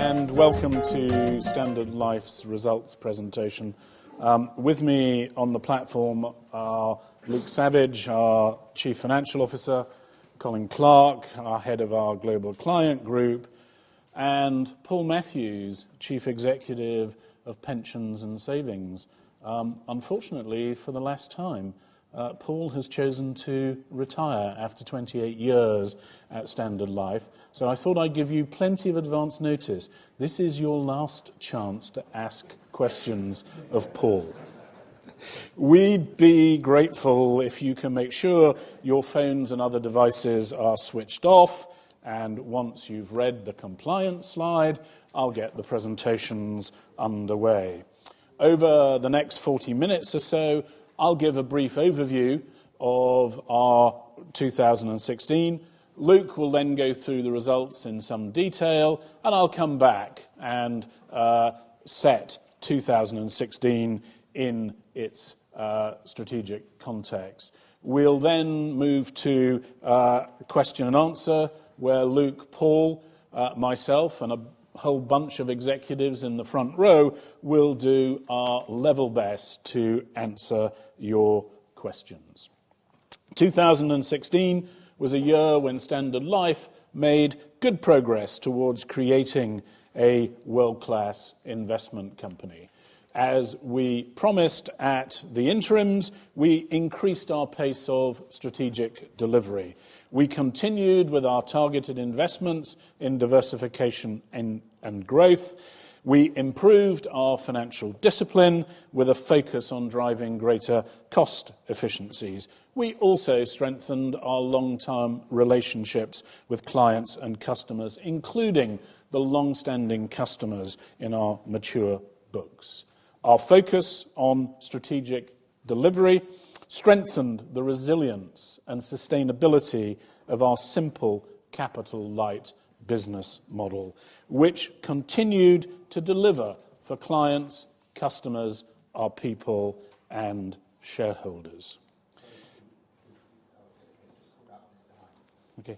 Welcome to Standard Life's results presentation. With me on the platform are Luke Savage, our Chief Financial Officer, Colin Clark, our Head of our Global Client Group, and Paul Matthews, Chief Executive of Pensions and Savings. Unfortunately, for the last time, Paul has chosen to retire after 28 years at Standard Life. I thought I would give you plenty of advance notice. This is your last chance to ask questions of Paul. We would be grateful if you can make sure your phones and other devices are switched off. Once you have read the compliance slide, I will get the presentations underway. Over the next 40 minutes or so, I will give a brief overview of our 2016. Luke will go through the results in some detail, and I will come back and set 2016 in its strategic context. We will then move to question and answer, where Luke, Paul, myself, and a whole bunch of executives in the front row will do our level best to answer your questions. 2016 was a year when Standard Life made good progress towards creating a world-class investment company. As we promised at the interims, we increased our pace of strategic delivery. We continued with our targeted investments in diversification and growth. We improved our financial discipline with a focus on driving greater cost efficiencies. We also strengthened our long-term relationships with clients and customers, including the longstanding customers in our mature books. Our focus on strategic delivery strengthened the resilience and sustainability of our simple capital light business model, which continued to deliver for clients, customers, our people and shareholders. Okay.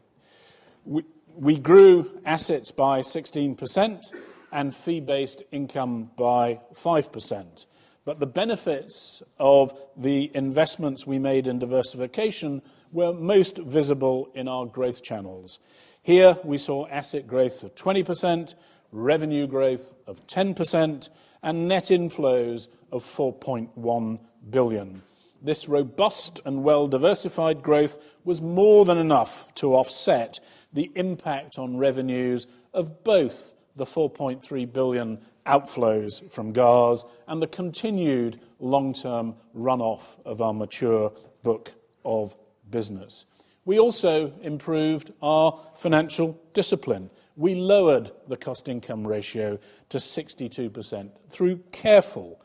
We grew assets by 16% and fee-based income by 5%. The benefits of the investments we made in diversification were most visible in our growth channels. Here we saw asset growth of 20%, revenue growth of 10%, and net inflows of 4.1 billion. This robust and well diversified growth was more than enough to offset the impact on revenues of both the 4.3 billion outflows from GARS and the continued long-term runoff of our mature book of business. We also improved our financial discipline. We lowered the cost income ratio to 62% through careful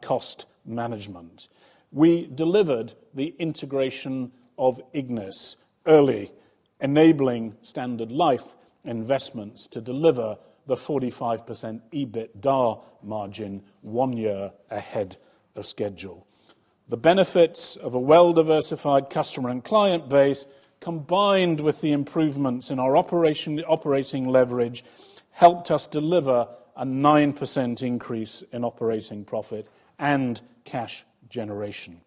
cost management. We delivered the integration of Ignis early, enabling Standard Life Investments to deliver the 45% EBITDA margin one year ahead of schedule. The benefits of a well diversified customer and client base, combined with the improvements in our operating leverage, helped us deliver a 9% increase in operating profit and cash generation.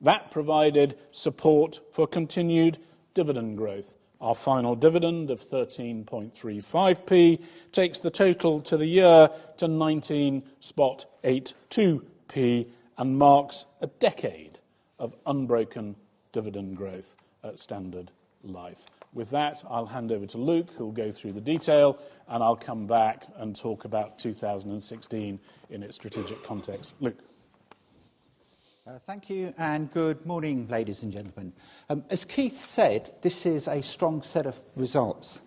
That provided support for continued dividend growth. Our final dividend of 13.35p takes the total to the year to 19.82p and marks a decade of unbroken dividend growth at Standard Life. With that, I will hand over to Luke, who will go through the detail, and I will come back and talk about 2016 in its strategic context. Luke. Thank you. Good morning, ladies and gentlemen. As Keith said, this is a strong set of results.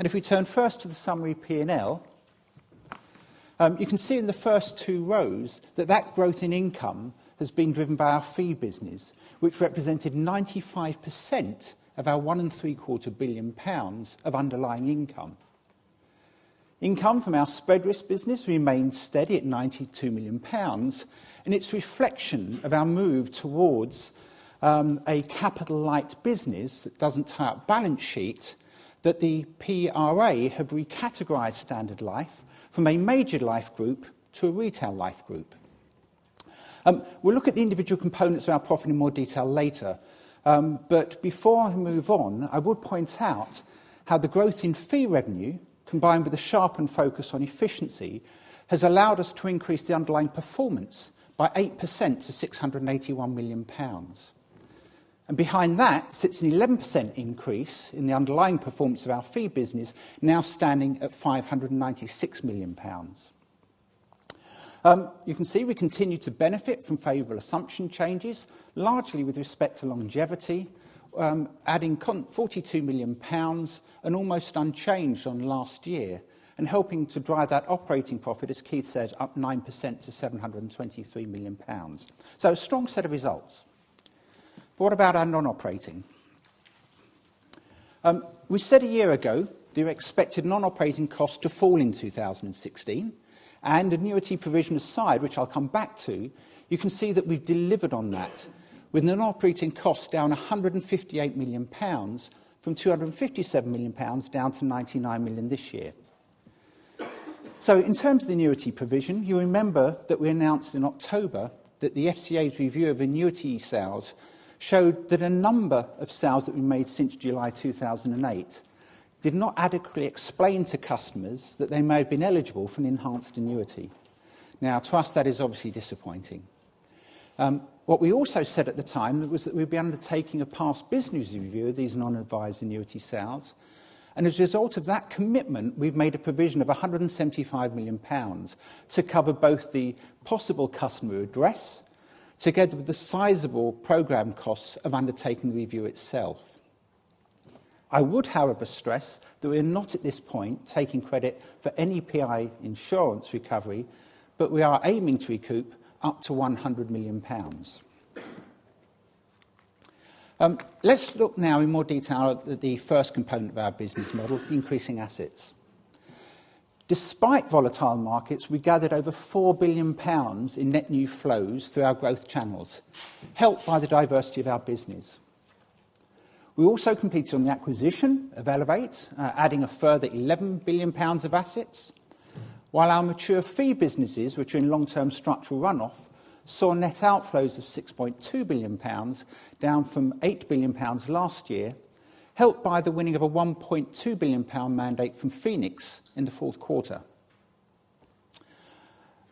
If we turn first to the summary P&L, you can see in the first two rows that that growth in income has been driven by our fee business, which represented 95% of our 1.75 billion pounds of underlying income. Income from our spread risk business remains steady at 92 million pounds. It is a reflection of our move towards a capital light business that does not tie up balance sheet that the PRA have recategorized Standard Life from a major life group to a retail life group. We will look at the individual components of our profit in more detail later. Before I move on, I would point out how the growth in fee revenue, combined with a sharpened focus on efficiency, has allowed us to increase the underlying performance by 8% to 681 million pounds. Behind that sits an 11% increase in the underlying performance of our fee business, now standing at 596 million pounds. You can see we continue to benefit from favorable assumption changes, largely with respect to longevity, adding 42 million pounds, almost unchanged on last year, helping to drive that operating profit, as Keith said, up 9% to 723 million pounds. A strong set of results. What about our non-operating? We said a year ago we expected non-operating costs to fall in 2016. Annuity provision aside, which I will come back to, you can see that we have delivered on that with non-operating costs down 158 million pounds from 257 million pounds down to 99 million this year. In terms of the annuity provision, you remember that we announced in October that the FCA's review of annuity sales showed that a number of sales that we made since July 2008 did not adequately explain to customers that they may have been eligible for an enhanced annuity. To us, that is obviously disappointing. What we also said at the time was that we would be undertaking a past business review of these non-advised annuity sales. As a result of that commitment, we have made a provision of 175 million pounds to cover both the possible customer address together with the sizable program costs of undertaking the review itself. I would, however, stress that we are not at this point taking credit for any PI insurance recovery. We are aiming to recoup up to 100 million pounds. Let us look now in more detail at the first component of our business model, increasing assets. Despite volatile markets, we gathered over 4 billion pounds in net new flows through our growth channels, helped by the diversity of our business. We also completed on the acquisition of Elevate, adding a further 11 billion pounds of assets. While our mature fee businesses, which are in long-term structural runoff, saw net outflows of 6.2 billion pounds, down from 8 billion pounds last year, helped by the winning of a 1.2 billion pound mandate from Phoenix in the fourth quarter.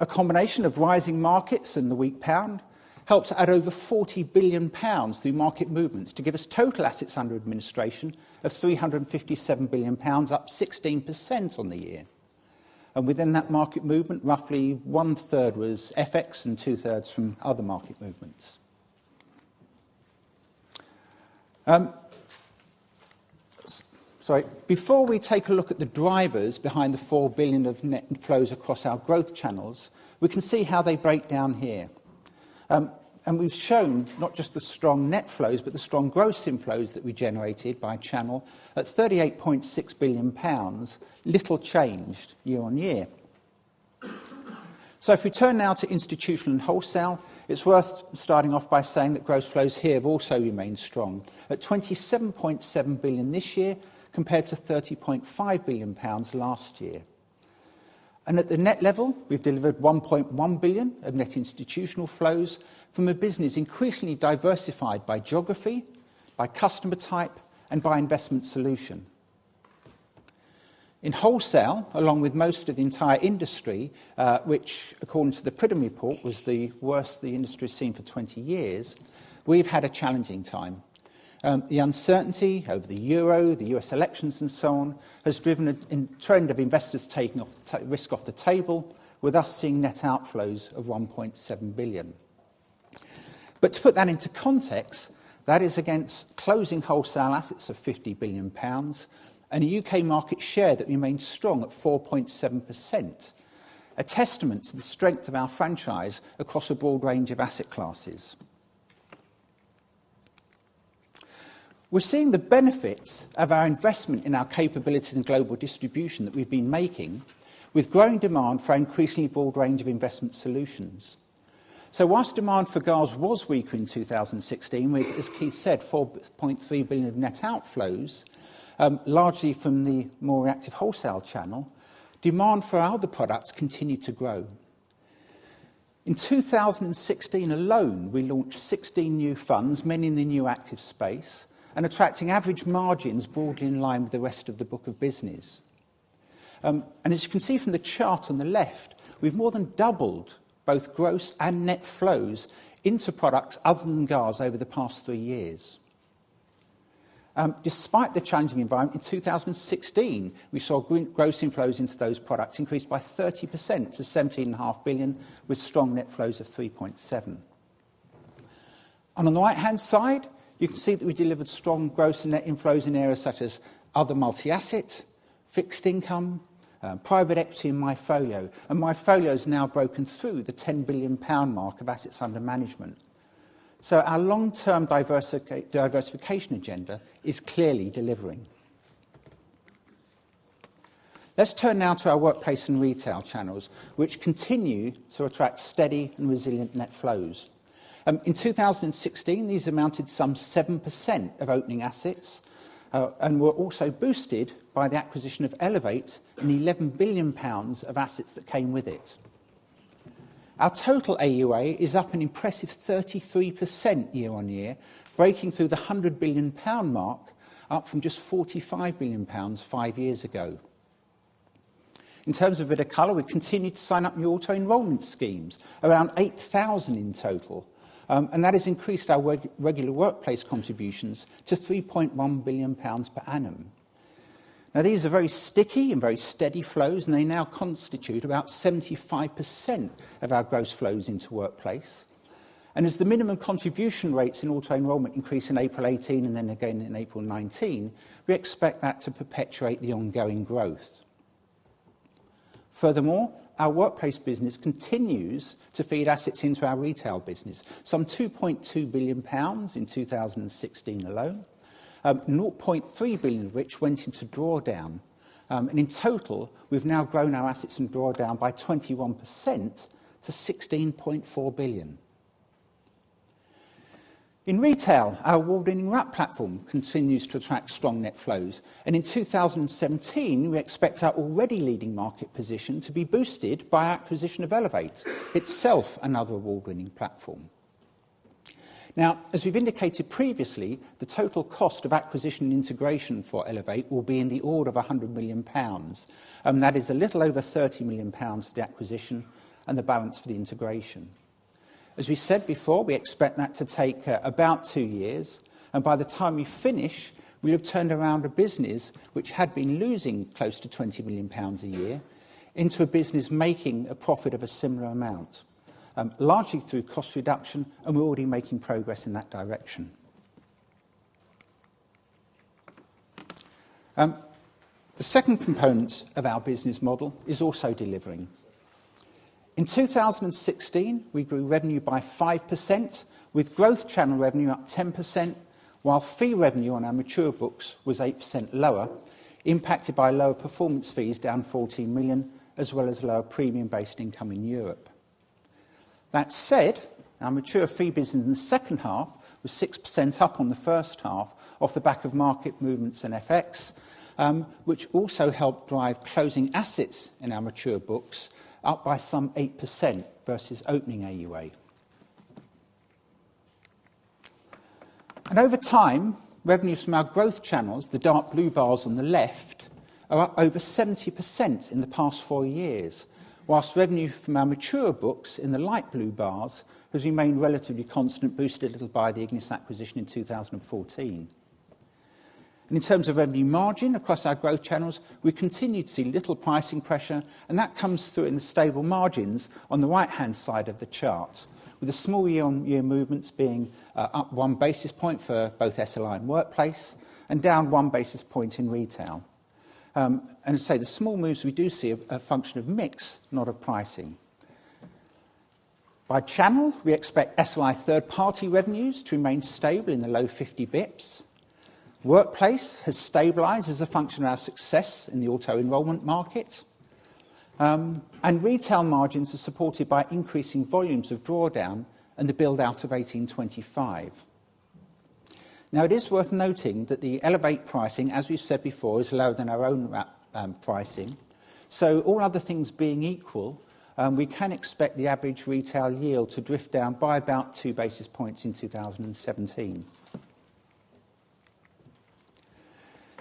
A combination of rising markets and the weak pound helped to add over 40 billion pounds through market movements to give us total assets under administration of 357 billion pounds, up 16% on the year. Within that market movement, roughly one-third was FX and two-thirds from other market movements. Before we take a look at the drivers behind the 4 billion of net inflows across our growth channels, we can see how they break down here. We've shown not just the strong net flows, but the strong gross inflows that we generated by channel at 38.6 billion pounds, little changed year-on-year. If we turn now to institutional and wholesale, it's worth starting off by saying that gross flows here have also remained strong at 27.7 billion this year, compared to 30.5 billion pounds last year. At the net level, we've delivered 1.1 billion of net institutional flows from a business increasingly diversified by geography, by customer type, and by investment solution. In wholesale, along with most of the entire industry, which according to the Pritam report was the worst the industry has seen for 20 years, we've had a challenging time. The uncertainty over the euro, the U.S. elections, and so on, has driven a trend of investors taking risk off the table, with us seeing net outflows of 1.7 billion. To put that into context, that is against closing wholesale assets of 50 billion pounds and a U.K. market share that remains strong at 4.7%, a testament to the strength of our franchise across a broad range of asset classes. We're seeing the benefits of our investment in our capabilities and global distribution that we've been making with growing demand for an increasingly broad range of investment solutions. Whilst demand for GARS was weaker in 2016, with, as Keith said, 4.3 billion of net outflows, largely from the more active wholesale channel, demand for our other products continued to grow. In 2016 alone, we launched 16 new funds, many in the new active space, and attracting average margins broadly in line with the rest of the book of business. As you can see from the chart on the left, we've more than doubled both gross and net flows into products other than GARS over the past three years. Despite the changing environment, in 2016, we saw gross inflows into those products increase by 30% to 17.5 billion, with strong net flows of 3.7. On the right-hand side, you can see that we delivered strong gross and net inflows in areas such as other multi-asset, fixed income, private equity, and MyFolio. MyFolio has now broken through the 10 billion pound mark of assets under management. Our long-term diversification agenda is clearly delivering. Let's turn now to our workplace and retail channels, which continue to attract steady and resilient net flows. In 2016, these amounted some 7% of opening assets, and were also boosted by the acquisition of Elevate and the 11 billion pounds of assets that came with it. Our total AUA is up an impressive 33% year-on-year, breaking through the 100 billion pound mark, up from just 45 billion pounds five years ago. In terms of retail color, we've continued to sign up new auto enrollment schemes, around 8,000 in total, and that has increased our regular Workplace contributions to 3.1 billion pounds per annum. These are very sticky and very steady flows, and they now constitute about 75% of our gross flows into Workplace. As the minimum contribution rates in auto enrollment increase in April 2018 and then again in April 2019, we expect that to perpetuate the ongoing growth. Furthermore, our Workplace business continues to feed assets into our retail business. Some 2.2 billion pounds in 2016 alone, 0.3 billion of which went into drawdown. In total, we've now grown our assets in drawdown by 21% to 16.4 billion. In retail, our award-winning Wrap platform continues to attract strong net flows, and in 2017, we expect our already leading market position to be boosted by our acquisition of Elevate, itself another award-winning platform. Now, as we've indicated previously, the total cost of acquisition and integration for Elevate will be in the order of 100 million pounds. That is a little over 30 million pounds for the acquisition and the balance for the integration. As we said before, we expect that to take about two years, and by the time we finish, we'll have turned around a business which had been losing close to 20 million pounds a year into a business making a profit of a similar amount. Largely through cost reduction, and we're already making progress in that direction. The second component of our business model is also delivering. In 2016, we grew revenue by 5%, with growth channel revenue up 10%, while fee revenue on our mature books was 8% lower, impacted by lower performance fees down 14 million, as well as lower premium-based income in Europe. That said, our mature fee business in the second half was 6% up on the first half off the back of market movements in FX, which also helped drive closing assets in our mature books up by some 8% versus opening AUA. Over time, revenues from our growth channels, the dark blue bars on the left, are up over 70% in the past four years, whilst revenue from our mature books in the light blue bars has remained relatively constant, boosted a little by the Ignis acquisition in 2014. In terms of revenue margin across our growth channels, we continue to see little pricing pressure, and that comes through in the stable margins on the right-hand side of the chart, with the small year-on-year movements being up one basis point for both SLI and Workplace and down one basis point in retail. As I say, the small moves we do see are a function of mix, not of pricing. By channel, we expect SLI third-party revenues to remain stable in the low 50 basis points. Workplace has stabilized as a function of our success in the auto-enrollment market. Retail margins are supported by increasing volumes of drawdown and the build-out of 1825. It is worth noting that the Elevate pricing, as we've said before, is lower than our own Wrap pricing. All other things being equal, we can expect the average retail yield to drift down by about two basis points in 2017.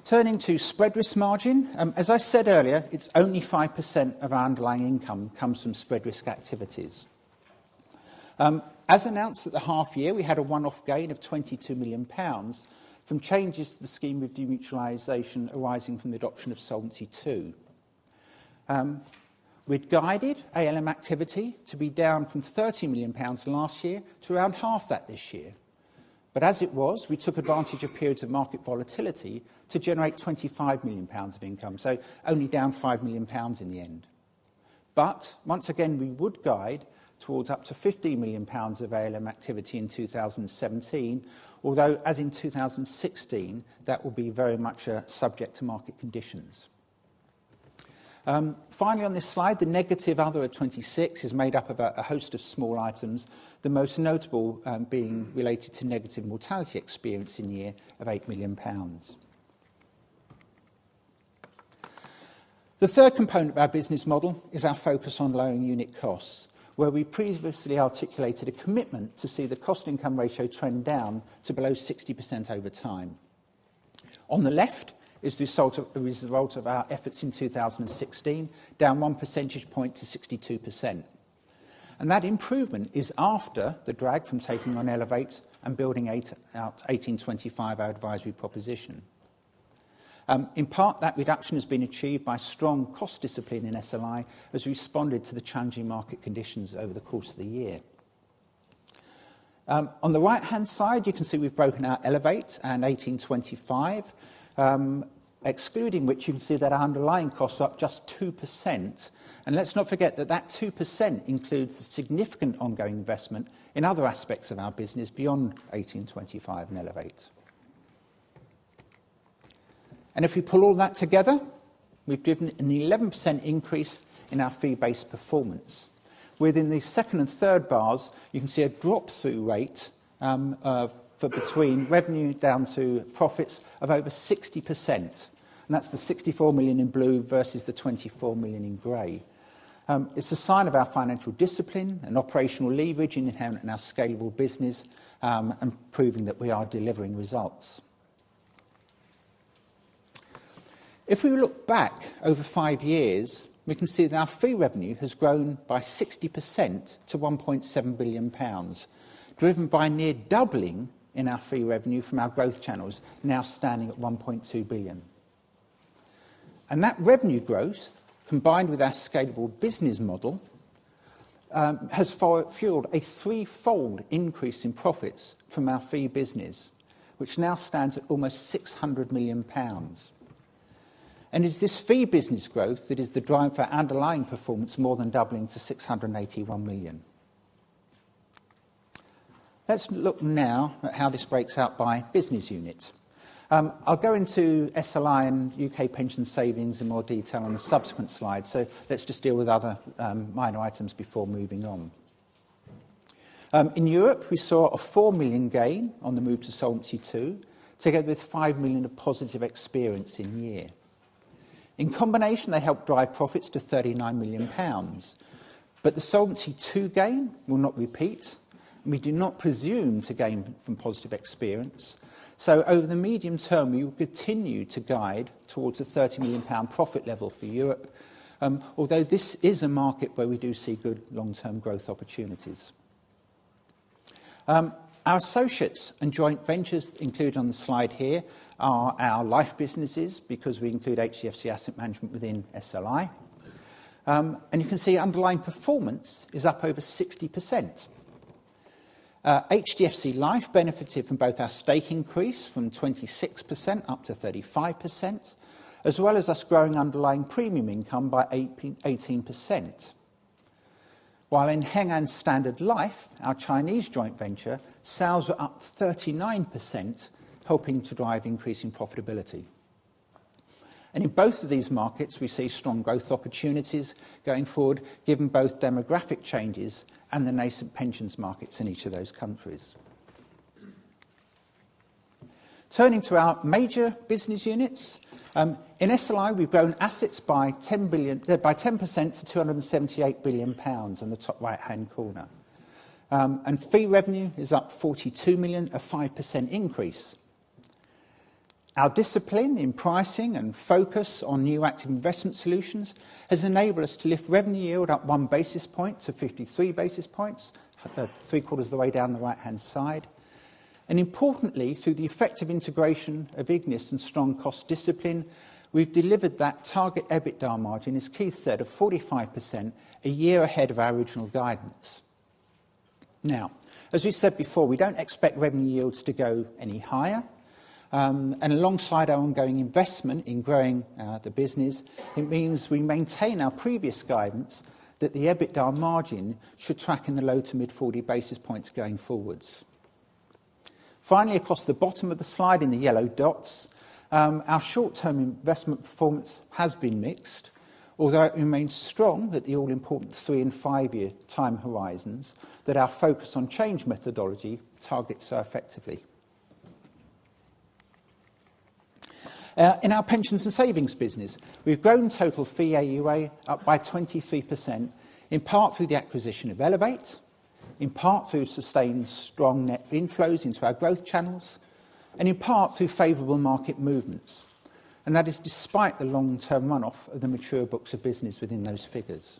Turning to spread risk margin. As I said earlier, it's only 5% of our underlying income comes from spread risk activities. As announced at the half year, we had a one-off gain of 22 million pounds from changes to the scheme of demutualization arising from the adoption of Solvency II. We'd guided ALM activity to be down from 30 million pounds last year to around half that this year. As it was, we took advantage of periods of market volatility to generate 25 million pounds of income, only down 5 million pounds in the end. Once again, we would guide towards up to 15 million pounds of ALM activity in 2017, although as in 2016, that will be very much subject to market conditions. Finally on this slide, the negative other at 26 is made up of a host of small items, the most notable being related to negative mortality experience in the year of 8 million pounds. The third component of our business model is our focus on lowering unit costs, where we previously articulated a commitment to see the cost-income ratio trend down to below 60% over time. On the left is the result of our efforts in 2016, down one percentage point to 62%. That improvement is after the drag from taking on Elevate and building out 1825, our advisory proposition. In part, that reduction has been achieved by strong cost discipline in SLI as we responded to the challenging market conditions over the course of the year. On the right-hand side, you can see we've broken out Elevate and 1825. Excluding which, you can see that our underlying costs are up just 2%. Let's not forget that that 2% includes the significant ongoing investment in other aspects of our business beyond 1825 and Elevate. If we pull all that together, we've given an 11% increase in our fee-based performance. Within the second and third bars, you can see a drop-through rate for between revenue down to profits of over 60%, and that's the 64 million in blue versus the 24 million in gray. It's a sign of our financial discipline and operational leverage inherent in our scalable business, and proving that we are delivering results. If we look back over five years, we can see that our fee revenue has grown by 60% to 1.7 billion pounds, driven by a near doubling in our fee revenue from our growth channels, now standing at 1.2 billion. That revenue growth, combined with our scalable business model, has fueled a threefold increase in profits from our fee business, which now stands at almost 600 million pounds. It's this fee business growth that is the driver for underlying performance more than doubling to 681 million. Let's look now at how this breaks out by business unit. I'll go into SLI and U.K. pension savings in more detail on the subsequent slide. Let's just deal with other minor items before moving on. In Europe, we saw a 4 million gain on the move to Solvency II, together with 5 million of positive experience in year. In combination, they helped drive profits to 39 million pounds. The Solvency II gain will not repeat, and we do not presume to gain from positive experience. Over the medium term, we will continue to guide towards a 30 million pound profit level for Europe, although this is a market where we do see good long-term growth opportunities. Our associates and joint ventures included on the slide here are our life businesses because we include HDFC Asset Management within SLI. You can see underlying performance is up over 60%. HDFC Life benefited from both our stake increase from 26% up to 35%, as well as us growing underlying premium income by 18%. While in Heng An Standard Life, our Chinese joint venture, sales were up 39%, helping to drive increasing profitability. In both of these markets, we see strong growth opportunities going forward, given both demographic changes and the nascent pensions markets in each of those countries. Turning to our major business units. In SLI, we've grown assets by 10% to 278 billion pounds, on the top right-hand corner. Fee revenue is up 42 million, a 5% increase. Our discipline in pricing and focus on new active investment solutions has enabled us to lift revenue yield up one basis point to 53 basis points, three quarters of the way down the right-hand side. Importantly, through the effective integration of Ignis and strong cost discipline, we've delivered that target EBITDA margin, as Keith said, of 45% a year ahead of our original guidance. Now, as we said before, we don't expect revenue yields to go any higher. Alongside our ongoing investment in growing the business, it means we maintain our previous guidance that the EBITDA margin should track in the low to mid 40 basis points going forwards. Finally, across the bottom of the slide in the yellow dots, our short-term investment performance has been mixed, although it remains strong at the all-important three and five-year time horizons that our focus on change methodology targets so effectively. In our pensions and savings business, we've grown total fee AUA up by 23%, in part through the acquisition of Elevate, in part through sustained strong net inflows into our growth channels, and in part through favorable market movements. That is despite the long-term run-off of the mature books of business within those figures.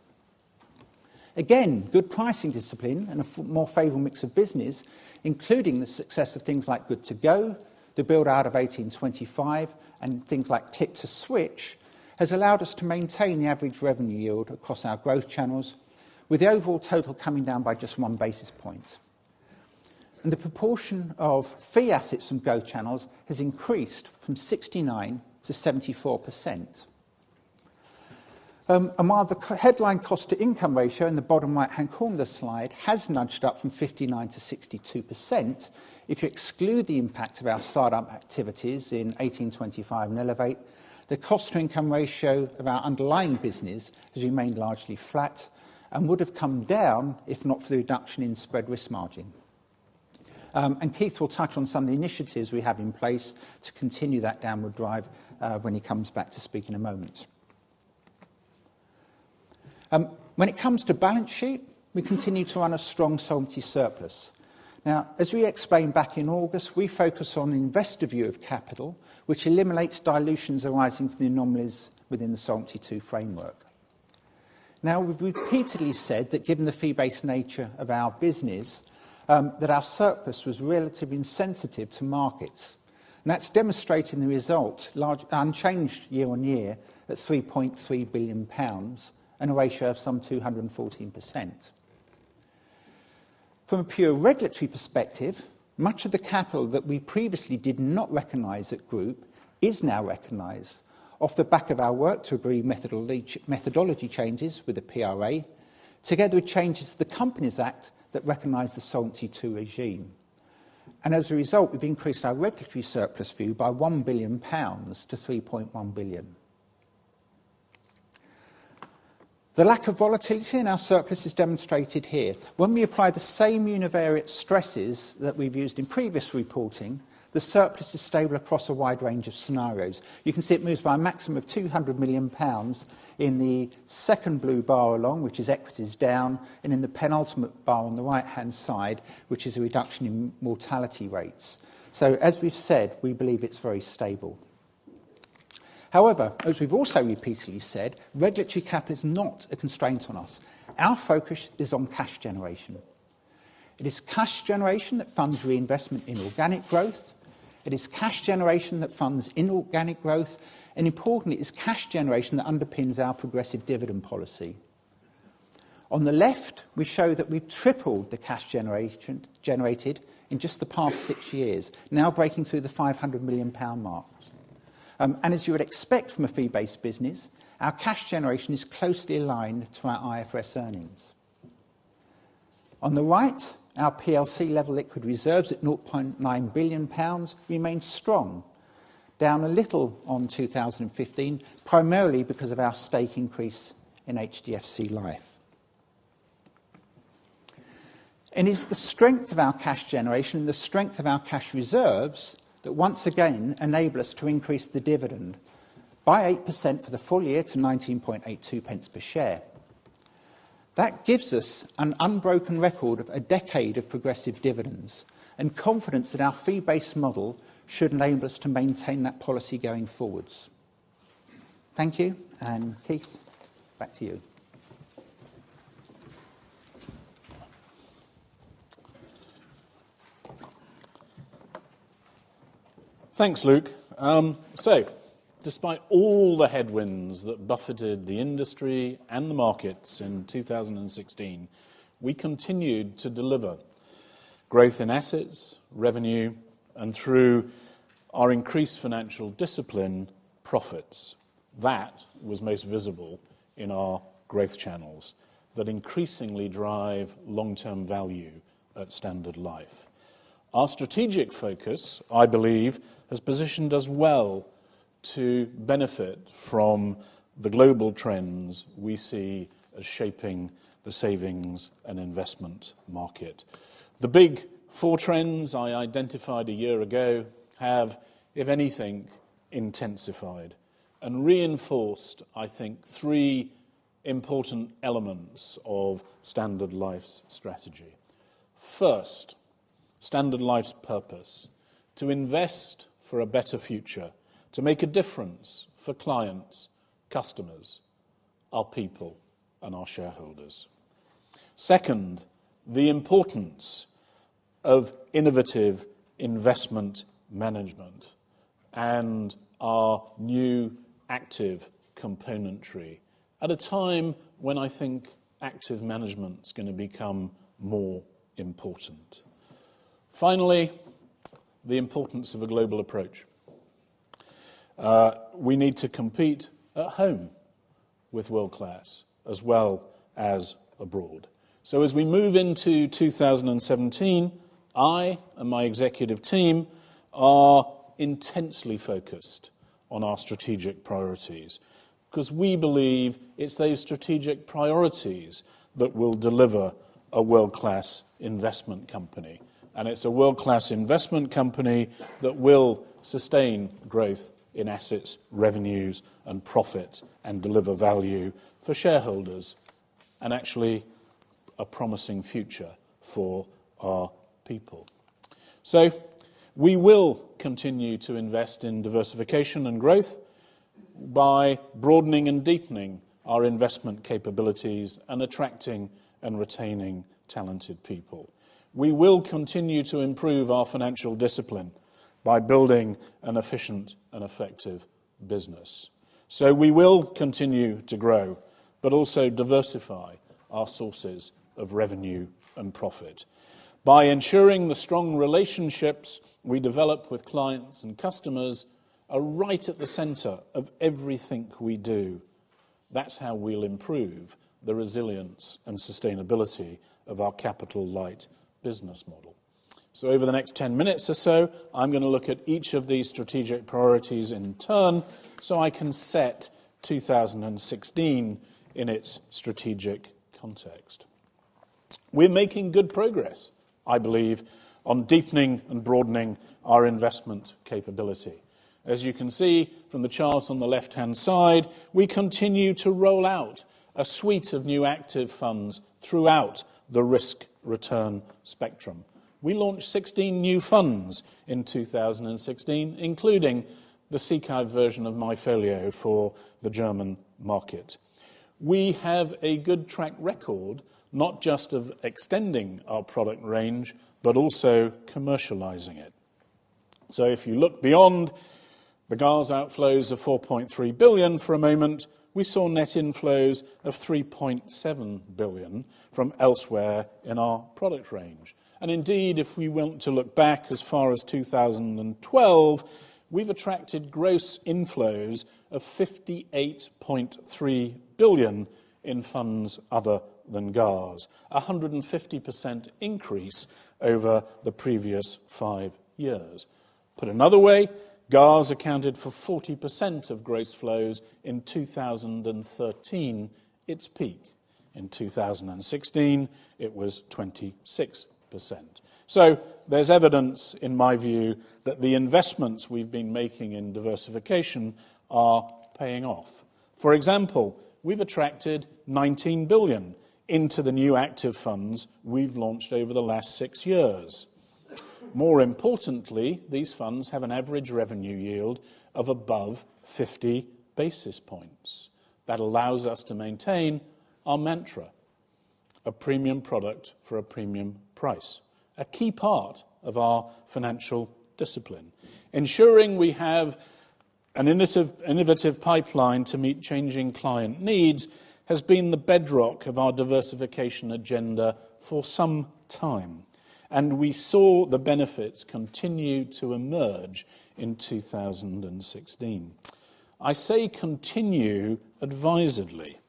Again, good pricing discipline and a more favorable mix of business, including the success of things like Good to Go, the build-out of 1825, and things like Click2Switch, has allowed us to maintain the average revenue yield across our growth channels, with the overall total coming down by just one basis point. The proportion of fee assets from growth channels has increased from 69% to 74%. While the headline cost to income ratio in the bottom right-hand corner of the slide has nudged up from 59% to 62%, if you exclude the impact of our start-up activities in 1825 and Elevate, the cost to income ratio of our underlying business has remained largely flat and would have come down if not for the reduction in spread risk margin. Keith will touch on some of the initiatives we have in place to continue that downward drive when he comes back to speak in a moment. When it comes to balance sheet, we continue to run a strong Solvency surplus. As we explained back in August, we focus on investor view of capital, which eliminates dilutions arising from the anomalies within the Solvency II framework. We've repeatedly said that given the fee-based nature of our business, that our surplus was relatively insensitive to markets. That's demonstrating the result unchanged year-on-year at 3.3 billion pounds and a ratio of some 214%. From a pure regulatory perspective, much of the capital that we previously did not recognize at Group is now recognized off the back of our work to agree methodology changes with the PRA, together with changes to the Companies Act that recognize the Solvency II regime. As a result, we've increased our regulatory surplus view by 1 billion pounds to 3.1 billion. The lack of volatility in our surplus is demonstrated here. When we apply the same univariate stresses that we've used in previous reporting, the surplus is stable across a wide range of scenarios. You can see it moves by a maximum of 200 million pounds in the second blue bar along, which is equities down, and in the penultimate bar on the right-hand side, which is a reduction in mortality rates. As we've said, we believe it's very stable. However, as we've also repeatedly said, regulatory cap is not a constraint on us. Our focus is on cash generation. It is cash generation that funds reinvestment in organic growth. It is cash generation that funds inorganic growth, and importantly, it's cash generation that underpins our progressive dividend policy. On the left, we show that we've tripled the cash generated in just the past six years, now breaking through the 500 million pound mark. As you would expect from a fee-based business, our cash generation is closely aligned to our IFRS earnings. On the right, our PLC level liquid reserves at 0.9 billion pounds remain strong, down a little on 2015, primarily because of our stake increase in HDFC Life. It's the strength of our cash generation, the strength of our cash reserves, that once again enable us to increase the dividend by 8% for the full year to 0.1982 per share. That gives us an unbroken record of a decade of progressive dividends and confidence that our fee-based model should enable us to maintain that policy going forwards. Thank you. Keith, back to you. Thanks, Luke. Despite all the headwinds that buffeted the industry and the markets in 2016, we continued to deliver growth in assets, revenue, and through our increased financial discipline, profits. That was most visible in our growth channels that increasingly drive long-term value at Standard Life. Our strategic focus, I believe, has positioned us well to benefit from the global trends we see as shaping the savings and investment market. The big four trends I identified a year ago have, if anything, intensified and reinforced, I think, three important elements of Standard Life's strategy. First, Standard Life's purpose. To invest for a better future, to make a difference for clients, customers, our people, and our shareholders. Second, the importance of innovative investment management and our new active componentry at a time when I think active management's going to become more important. Finally, the importance of a global approach. We need to compete at home with world-class as well as abroad. As we move into 2017, I and my executive team are intensely focused on our strategic priorities because we believe it's those strategic priorities that will deliver a world-class investment company. It's a world-class investment company that will sustain growth in assets, revenues, and profit, and deliver value for shareholders, and actually a promising future for our people. We will continue to invest in diversification and growth by broadening and deepening our investment capabilities and attracting and retaining talented people. We will continue to improve our financial discipline by building an efficient and effective business. We will continue to grow, but also diversify our sources of revenue and profit. By ensuring the strong relationships we develop with clients and customers are right at the center of everything we do, that's how we'll improve the resilience and sustainability of our capital light business model. Over the next 10 minutes or so, I'm going to look at each of these strategic priorities in turn so I can set 2016 in its strategic context. We're making good progress, I believe, on deepening and broadening our investment capability. As you can see from the chart on the left-hand side, we continue to roll out a suite of new active funds throughout the risk/return spectrum. We launched 16 new funds in 2016, including the SICAV version of MyFolio for the German market. We have a good track record, not just of extending our product range, but also commercializing it. If you look beyond the GARS outflows of 4.3 billion for a moment, we saw net inflows of 3.7 billion from elsewhere in our product range. Indeed, if we want to look back as far as 2012, we've attracted gross inflows of 58.3 billion in funds other than GARS, 150% increase over the previous five years. Put another way, GARS accounted for 40% of gross flows in 2013, its peak. In 2016, it was 26%. There's evidence in my view that the investments we've been making in diversification are paying off. For example, we've attracted 19 billion into the new active funds we've launched over the last six years. More importantly, these funds have an average revenue yield of above 50 basis points. That allows us to maintain our mantra, a premium product for a premium price. A key part of our financial discipline. Ensuring we have an innovative pipeline to meet changing client needs has been the bedrock of our diversification agenda for some time, we saw the benefits continue to emerge in 2016. I say continue advisedly.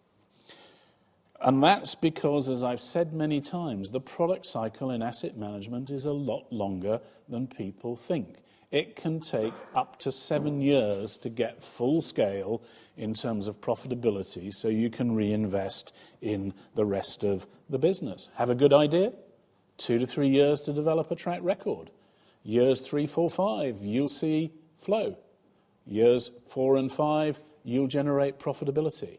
That's because, as I've said many times, the product cycle in asset management is a lot longer than people think. It can take up to seven years to get full scale in terms of profitability, so you can reinvest in the rest of the business. Have a good idea? Two to three years to develop a track record. Years three, four, five, you'll see flow. Years four and five, you'll generate profitability.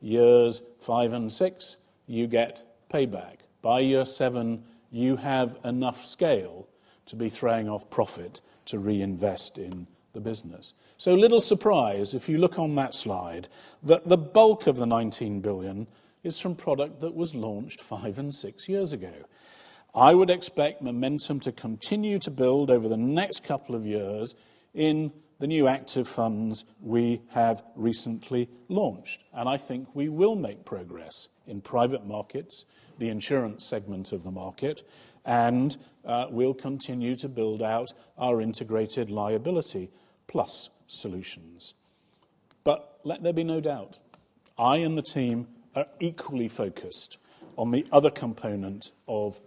Years five and six, you get payback. By year seven, you have enough scale to be throwing off profit to reinvest in the business. Little surprise if you look on that slide, that the bulk of the 19 billion is from product that was launched five and six years ago. I would expect momentum to continue to build over the next couple of years in the new active funds we have recently launched. I think we will make progress in private markets, the insurance segment of the market, and we'll continue to build out our Integrated Liability Plus Solutions. Let there be no doubt, I and the team are equally focused on the other component of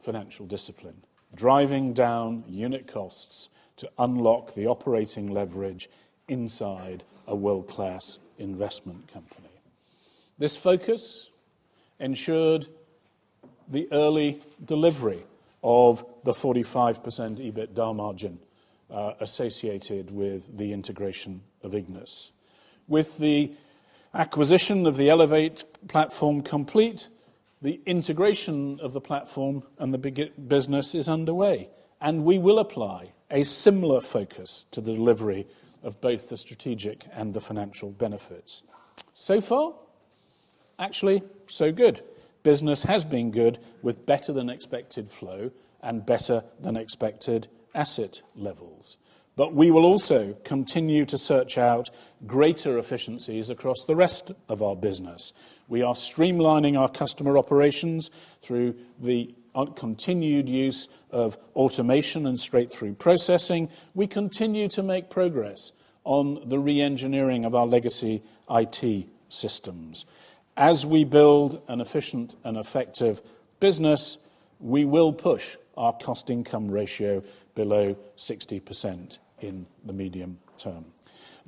financial discipline, driving down unit costs to unlock the operating leverage inside a world-class investment company. This focus ensured the early delivery of the 45% EBITDA margin associated with the integration of Ignis. With the acquisition of the Elevate platform complete, the integration of the platform and the business is underway. We will apply a similar focus to the delivery of both the strategic and the financial benefits. Far, actually, so good. Business has been good, with better than expected flow and better than expected asset levels. We will also continue to search out greater efficiencies across the rest of our business. We are streamlining our customer operations through the continued use of automation and straight-through processing. We continue to make progress on the re-engineering of our legacy IT systems. As we build an efficient and effective business, we will push our cost income ratio below 60% in the medium term.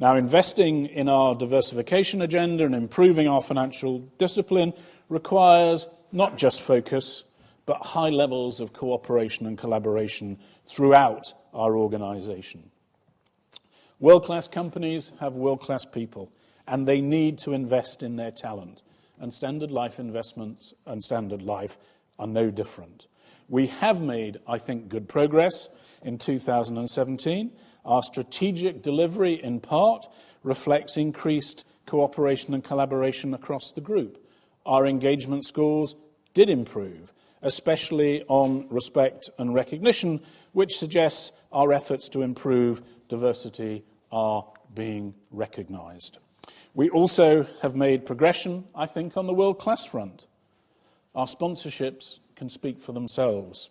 Investing in our diversification agenda and improving our financial discipline requires not just focus, but high levels of cooperation and collaboration throughout our organization. World-class companies have world-class people, they need to invest in their talent. Standard Life Investments and Standard Life are no different. We have made, I think, good progress in 2017. Our strategic delivery in part reflects increased cooperation and collaboration across the group. Our engagement scores did improve, especially on respect and recognition, which suggests our efforts to improve diversity are being recognized. We also have made progression, I think, on the world-class front. Our sponsorships can speak for themselves.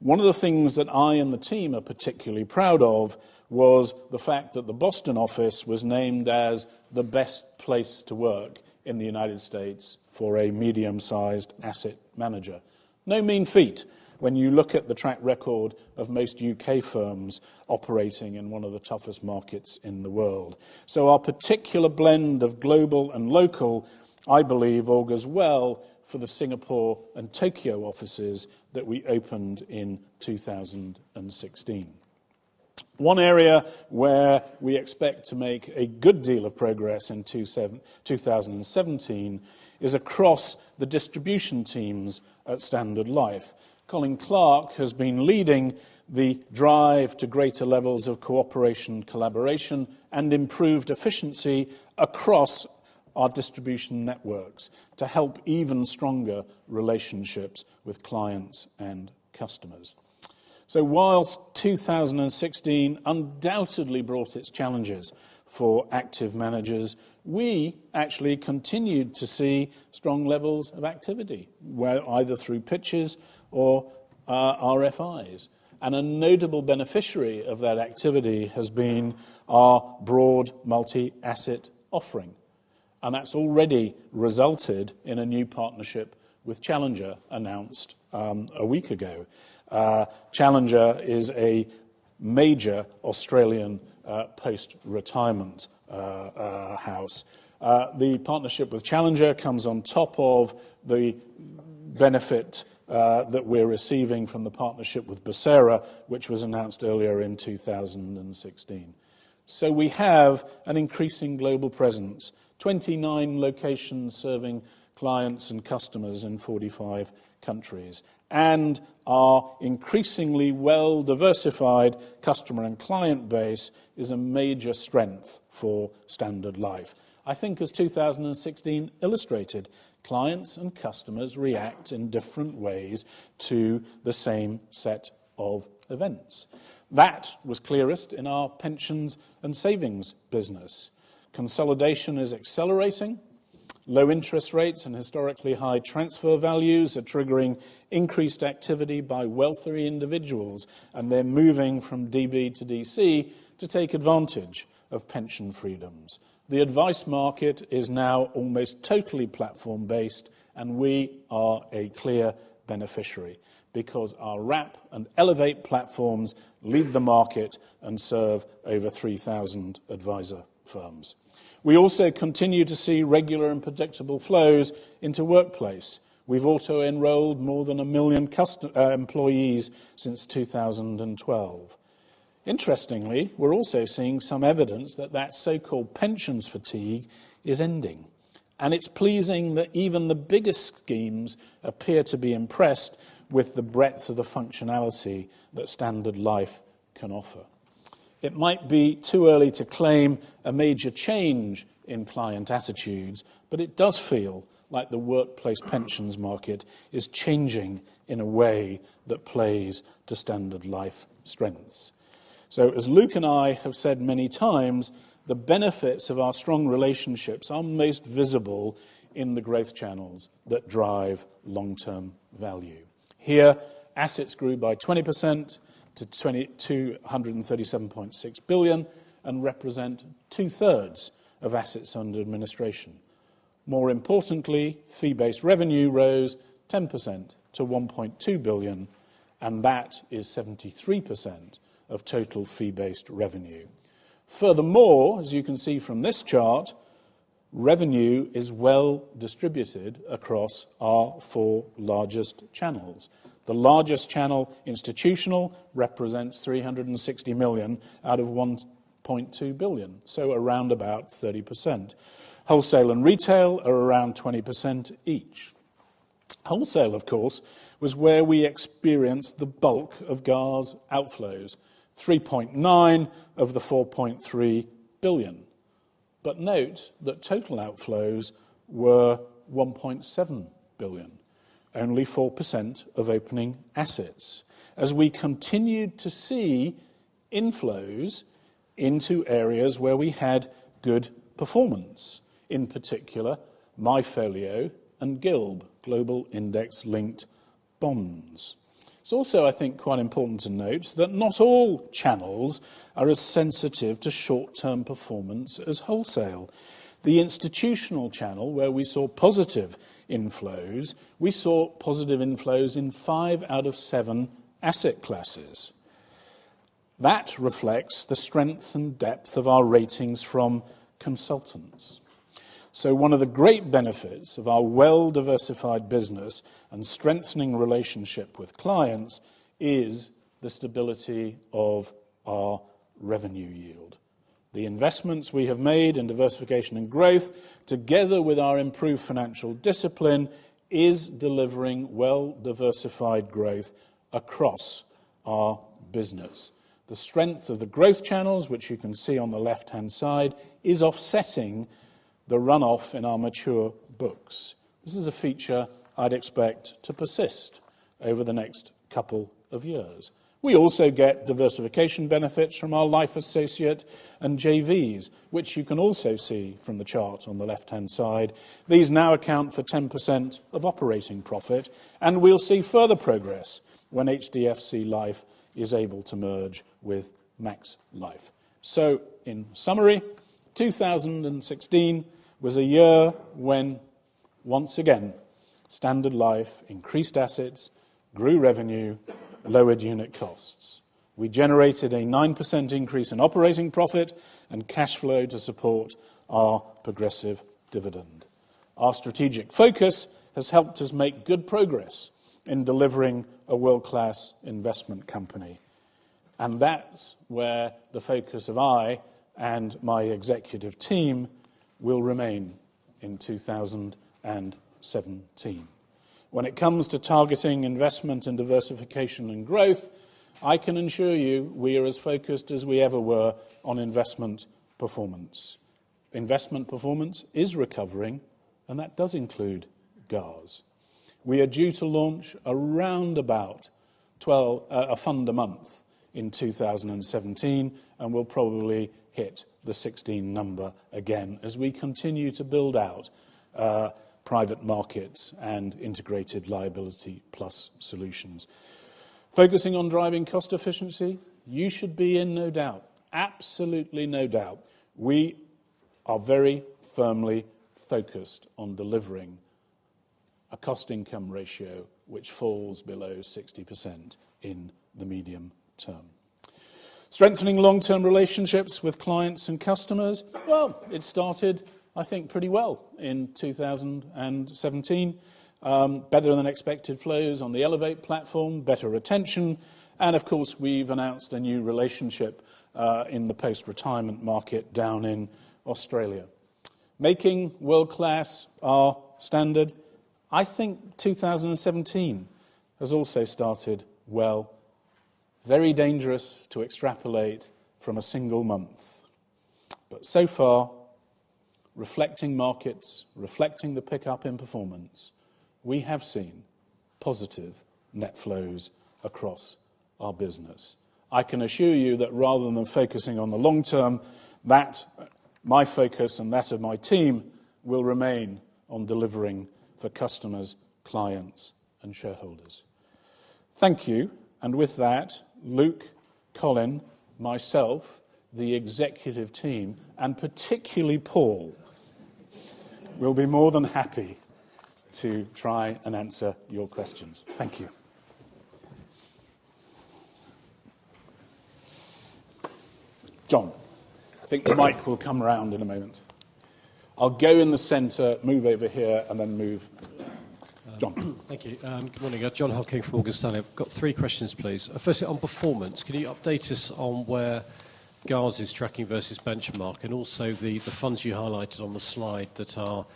One of the things that I and the team are particularly proud of was the fact that the Boston office was named as the best place to work in the U.S. for a medium-sized asset manager. No mean feat when you look at the track record of most U.K. firms operating in one of the toughest markets in the world. Our particular blend of global and local, I believe, augurs well for the Singapore and Tokyo offices that we opened in 2016. One area where we expect to make a good deal of progress in 2017 is across the distribution teams at Standard Life. Colin Clark has been leading the drive to greater levels of cooperation, collaboration, and improved efficiency across our distribution networks to help even stronger relationships with clients and customers. Whilst 2016 undoubtedly brought its challenges for active managers, we actually continued to see strong levels of activity, where either through pitches or our RFIs. A notable beneficiary of that activity has been our broad multi-asset offering, and that's already resulted in a new partnership with Challenger announced a week ago. Challenger is a major Australian post-retirement house. The partnership with Challenger comes on top of the benefit that we're receiving from the partnership with Becerra, which was announced earlier in 2016. We have an increasing global presence. 29 locations serving clients and customers in 45 countries. Our increasingly well-diversified customer and client base is a major strength for Standard Life. I think as 2016 illustrated, clients and customers react in different ways to the same set of events. That was clearest in our pensions and savings business. Consolidation is accelerating. Low interest rates and historically high transfer values are triggering increased activity by wealthier individuals, and they're moving from DB to DC to take advantage of pension freedoms. The advice market is now almost totally platform-based, and we are a clear beneficiary because our Wrap and Elevate platforms lead the market and serve over 3,000 advisor firms. We also continue to see regular and predictable flows into workplace. We've auto-enrolled more than a million employees since 2012. Interestingly, we're also seeing some evidence that so-called pensions fatigue is ending. It's pleasing that even the biggest schemes appear to be impressed with the breadth of the functionality that Standard Life can offer. It might be too early to claim a major change in client attitudes, but it does feel like the workplace pensions market is changing in a way that plays to Standard Life strengths. As Luke and I have said many times, the benefits of our strong relationships are most visible in the growth channels that drive long-term value. Here, assets grew by 20% to 237.6 billion and represent two-thirds of assets under administration. More importantly, fee-based revenue rose 10% to 1.2 billion, and that is 73% of total fee-based revenue. Furthermore, as you can see from this chart, revenue is well distributed across our four largest channels. The largest channel, institutional, represents 360 million out of 1.2 billion, so around about 30%. Wholesale and retail are around 20% each. Wholesale, of course, was where we experienced the bulk of GARS outflows, 3.9 of the 4.3 billion. Note that total outflows were 1.7 billion, only 4% of opening assets. As we continued to see inflows into areas where we had good performance, in particular MyFolio and GILB, Global Index Linked Bonds. It's also, I think, quite important to note that not all channels are as sensitive to short-term performance as wholesale. The institutional channel where we saw positive inflows, we saw positive inflows in five out of seven asset classes. That reflects the strength and depth of our ratings from consultants. One of the great benefits of our well-diversified business and strengthening relationship with clients is the stability of our revenue yield. The investments we have made in diversification and growth, together with our improved financial discipline, is delivering well-diversified growth across our business. The strength of the growth channels, which you can see on the left-hand side, is offsetting the runoff in our mature books. This is a feature I'd expect to persist over the next couple of years. We also get diversification benefits from our Life Associate and JVs, which you can also see from the chart on the left-hand side. These now account for 10% of operating profit, and we will see further progress when HDFC Life is able to merge with Max Life. In summary, 2016 was a year when, once again, Standard Life increased assets, grew revenue, lowered unit costs. We generated a 9% increase in operating profit and cash flow to support our progressive dividend. Our strategic focus has helped us make good progress in delivering a world-class investment company, and that's where the focus of I and my executive team will remain in 2017. When it comes to targeting investment in diversification and growth, I can assure you we are as focused as we ever were on investment performance. Investment performance is recovering, and that does include GARS. We are due to launch around about a fund a month in 2017, and we will probably hit the 16 number again as we continue to build out private markets and Integrated Liability Plus Solutions. Focusing on driving cost efficiency, you should be in no doubt, absolutely no doubt, we are very firmly focused on delivering a cost-income ratio which falls below 60% in the medium term. Strengthening long-term relationships with clients and customers. It started, I think, pretty well in 2017. Better than expected flows on the Elevate platform, better retention. Of course, we've announced a new relationship in the post-retirement market down in Australia. Making world-class our standard. I think 2017 has also started well. Very dangerous to extrapolate from a single month. So far, reflecting markets, reflecting the pickup in performance, we have seen positive net flows across our business. I can assure you that rather than focusing on the long term, my focus and that of my team will remain on delivering for customers, clients, and shareholders. Thank you. With that, Luke, Colin, myself, the executive team, and particularly Paul, will be more than happy to try and answer your questions. Thank you. John. I think the mic will come around in a moment. I'll go in the center, move over here, and then move. John. Thank you. Good morning. Jon Hocking from Morgan Stanley. I've got three questions, please. Firstly, on performance, can you update us on where GARS is tracking versus benchmark? Also the funds you highlighted on the slide that are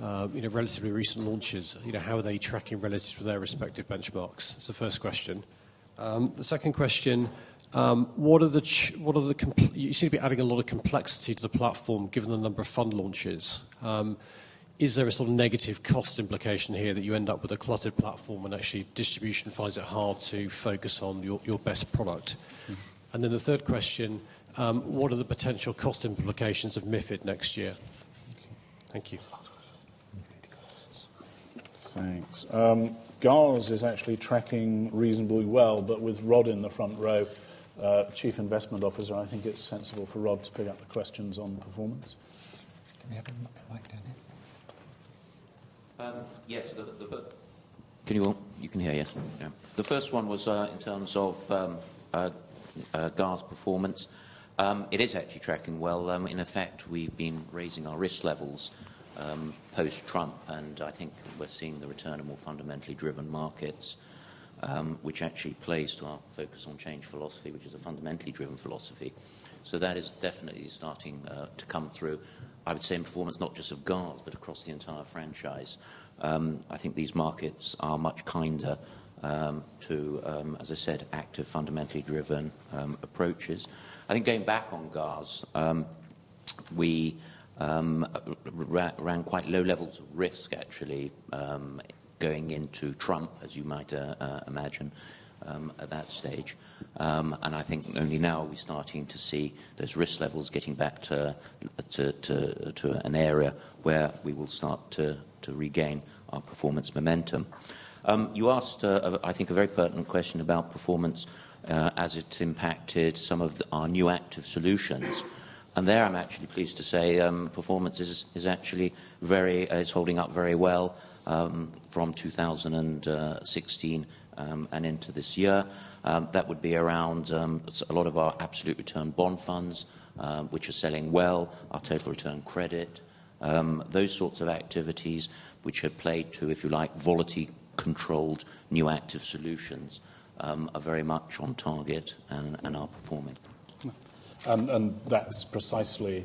relatively recent launches, how are they tracking relative to their respective benchmarks? That's the first question. The second question, you seem to be adding a lot of complexity to the platform given the number of fund launches. Is there a sort of negative cost implication here that you end up with a cluttered platform and actually distribution finds it hard to focus on your best product? Then the third question, what are the potential cost implications of MiFID next year? Thank you. Thanks. GARS is actually tracking reasonably well, with Rod in the front row, Chief Investment Officer, I think it's sensible for Rod to pick up the questions on performance. Can we have a mic down here? Yes. You can hear, yeah. Yeah. The first one was in terms of GARS performance. It is actually tracking well. In effect, we've been raising our risk levels post-Trump, and I think we're seeing the return of more fundamentally driven markets, which actually plays to our focus on change philosophy, which is a fundamentally driven philosophy. That is definitely starting to come through, I would say, in performance not just of GARS, but across the entire franchise. I think these markets are much kinder to, as I said, active, fundamentally driven approaches. I think going back on GARS, we ran quite low levels of risk, actually, going into Trump, as you might imagine, at that stage. I think only now are we starting to see those risk levels getting back to an area where we will start to regain our performance momentum. You asked, I think, a very pertinent question about performance as it impacted some of our new active solutions. There, I'm actually pleased to say, performance is holding up very well from 2016 and into this year. That would be around a lot of our absolute return bond funds, which are selling well, our total return credit. Those sorts of activities, which have played to, if you like, volatility-controlled new active solutions, are very much on target and are performing. That's precisely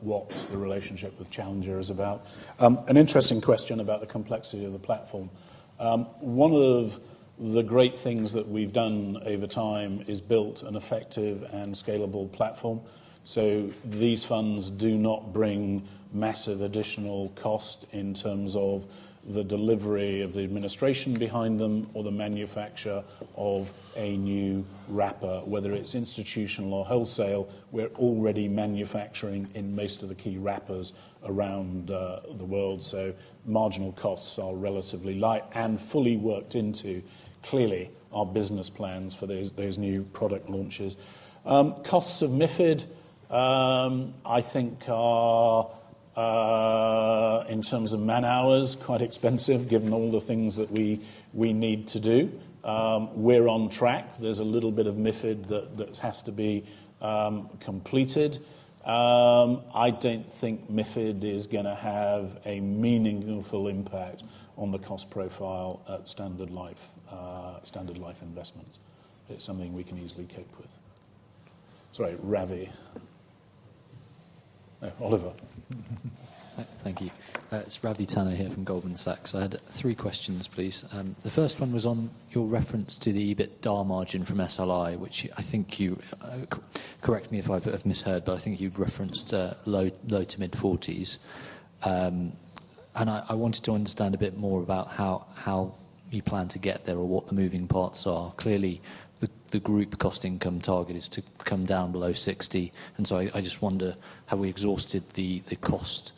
what the relationship with Challenger is about. An interesting question about the complexity of the platform. One of the great things that we've done over time is built an effective and scalable platform, so these funds do not bring massive additional cost in terms of the delivery of the administration behind them or the manufacture of a new wrapper. Whether it's institutional or wholesale, we're already manufacturing in most of the key wrappers around the world. Marginal costs are relatively light and fully worked into, clearly, our business plans for those new product launches. Costs of MiFID, I think are, in terms of man-hours, quite expensive given all the things that we need to do. We're on track. There's a little bit of MiFID that has to be completed. I don't think MiFID is going to have a meaningful impact on the cost profile at Standard Life Investments. It's something we can easily cope with. Sorry, Ravi. Oliver. Thank you. It is Ravi Tanna here from Goldman Sachs. I had three questions, please. The first one was on your reference to the EBITDA margin from SLI, which I think you, correct me if I have misheard, but I think you referenced low to mid-40%. I wanted to understand a bit more about how you plan to get there or what the moving parts are. Clearly, the group cost income target is to come down below 60%. I just wonder, have we exhausted the cost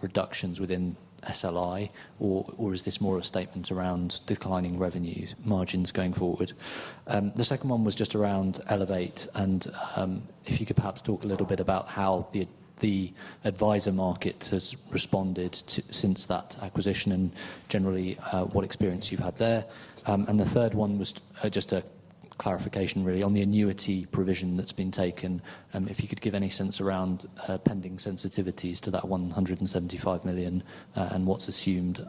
reductions within SLI, or is this more a statement around declining revenues margins going forward? The second one was just around Elevate and if you could perhaps talk a little bit about how the adviser market has responded since that acquisition, and generally, what experience you have had there. The third one was just a clarification, really, on the annuity provision that has been taken, if you could give any sense around pending sensitivities to that 175 million and what is assumed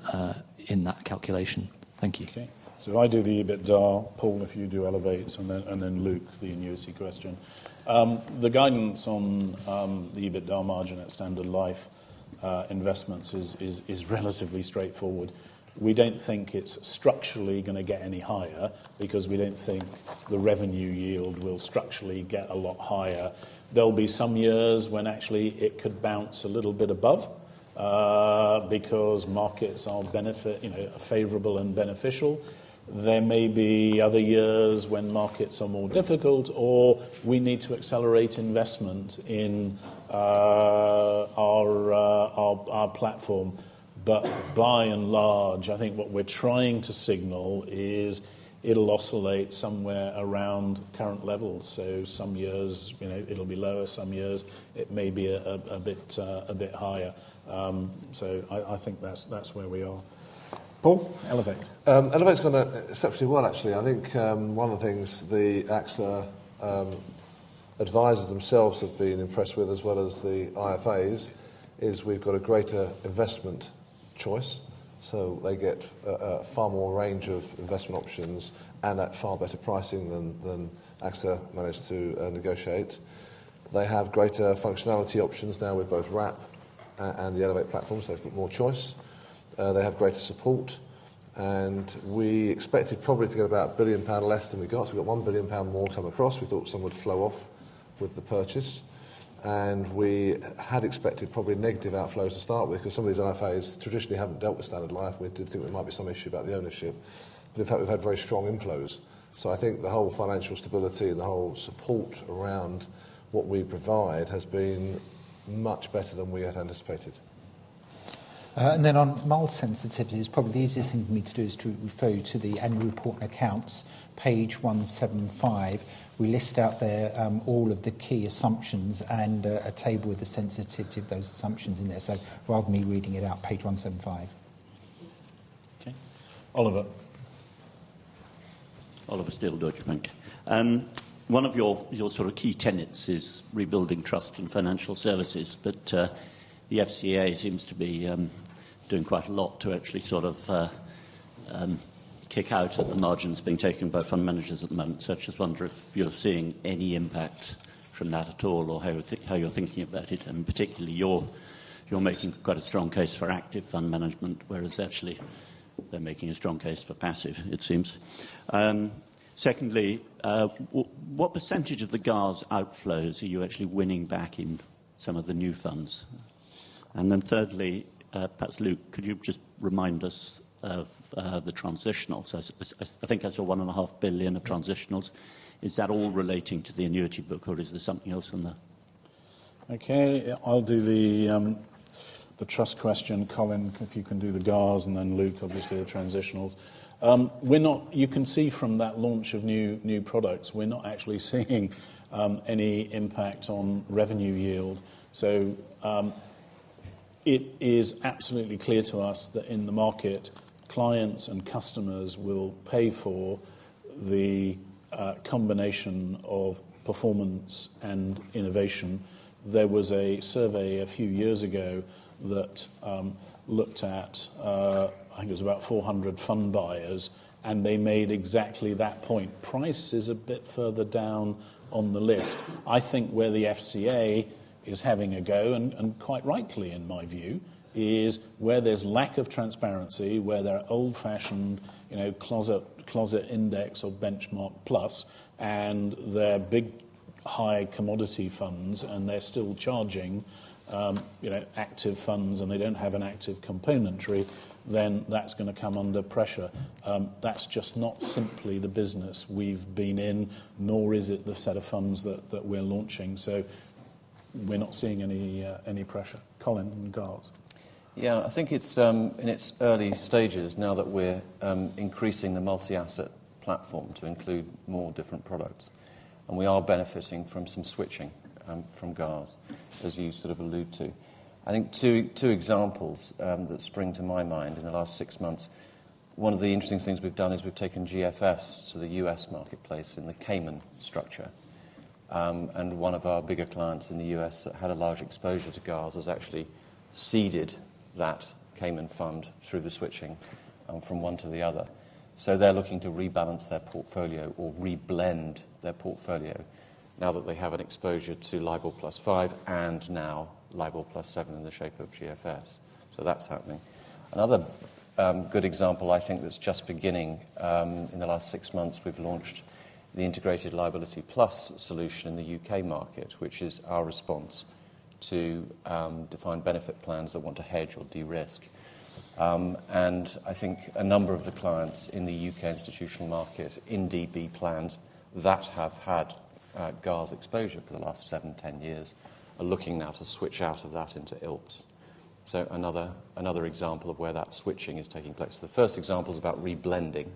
in that calculation. Thank you. Okay. If I do the EBITDA, Paul, if you do Elevate, and then Luke, the annuity question. The guidance on the EBITDA margin at Standard Life Investments is relatively straightforward. We do not think it is structurally going to get any higher because we do not think the revenue yield will structurally get a lot higher. There will be some years when actually it could bounce a little bit above because markets are favorable and beneficial. There may be other years when markets are more difficult, or we need to accelerate investment in our platform. By and large, I think what we are trying to signal is it will oscillate somewhere around current levels. Some years it will be lower, some years it may be a bit higher. I think that is where we are. Paul, Elevate. Elevate's gone exceptionally well, actually. I think one of the things the AXA advisors themselves have been impressed with, as well as the IFAs, is we have got a greater investment choice. They get a far more range of investment options and at far better pricing than AXA managed to negotiate. They have greater functionality options now with both Wrap and the Elevate platform, so they have got more choice. They have greater support. We expected probably to get about 1 billion pound less than we got. We got 1 billion pound more come across. We thought some would flow off with the purchase. We had expected probably negative outflows to start with because some of these IFAs traditionally have not dealt with Standard Life. We did think there might be some issue about the ownership. In fact, we have had very strong inflows. I think the whole financial stability and the whole support around what we provide has been much better than we had anticipated. On model sensitivity, probably the easiest thing for me to do is to refer you to the annual report and accounts, page 175. We list out there all of the key assumptions and a table with the sensitivity of those assumptions in there. Rather than me reading it out, page 175. Okay. Oliver. Oliver Steel, Deutsche Bank. One of your sort of key tenets is rebuilding trust in financial services, the FCA seems to be doing quite a lot to actually sort of kick out at the margins being taken by fund managers at the moment. I just wonder if you're seeing any impact from that at all or how you're thinking about it, and particularly you're making quite a strong case for active fund management, whereas actually they're making a strong case for passive, it seems. Secondly, what percentage of the GARS outflows are you actually winning back in some of the new funds? Thirdly, perhaps Luke, could you just remind us of the transitionals? I think I saw one and a half billion of transitionals. Is that all relating to the annuity book or is there something else in there? Okay. I'll do the trust question. Colin, if you can do the GARS and then Luke, obviously, the transitionals. You can see from that launch of new products, we're not actually seeing any impact on revenue yield. It is absolutely clear to us that in the market, clients and customers will pay for the combination of performance and innovation. There was a survey a few years ago that looked at, I think it was about 400 fund buyers, and they made exactly that point. Price is a bit further down on the list. I think where the FCA is having a go, and quite rightly in my view, is where there's lack of transparency, where there are old-fashioned closet index or benchmark plus, and they're big high commodity funds and they're still charging active funds and they don't have an active componentry, then that's going to come under pressure. That's just not simply the business we've been in, nor is it the set of funds that we're launching. We're not seeing any pressure. Colin, GARS. Yeah. I think it's in its early stages now that we're increasing the multi-asset platform to include more different products. We are benefiting from some switching from GARS, as you sort of allude to. I think two examples that spring to my mind in the last six months. One of the interesting things we've done is we've taken GFS to the U.S. marketplace in the Cayman structure. One of our bigger clients in the U.S. that had a large exposure to GARS has actually seeded that Cayman fund through the switching from one to the other. They're looking to rebalance their portfolio or reblend their portfolio now that they have an exposure to LIBOR plus five and now LIBOR plus seven in the shape of GFS. That's happening. Another good example I think that's just beginning, in the last six months, we've launched the Integrated Liability Plus Solutions in the U.K. market, which is our response to defined benefit plans that want to hedge or de-risk. I think a number of the clients in the U.K. institutional market in DB plans that have had GARS exposure for the last seven, 10 years are looking now to switch out of that into ILT. Another example of where that switching is taking place. The first example is about reblending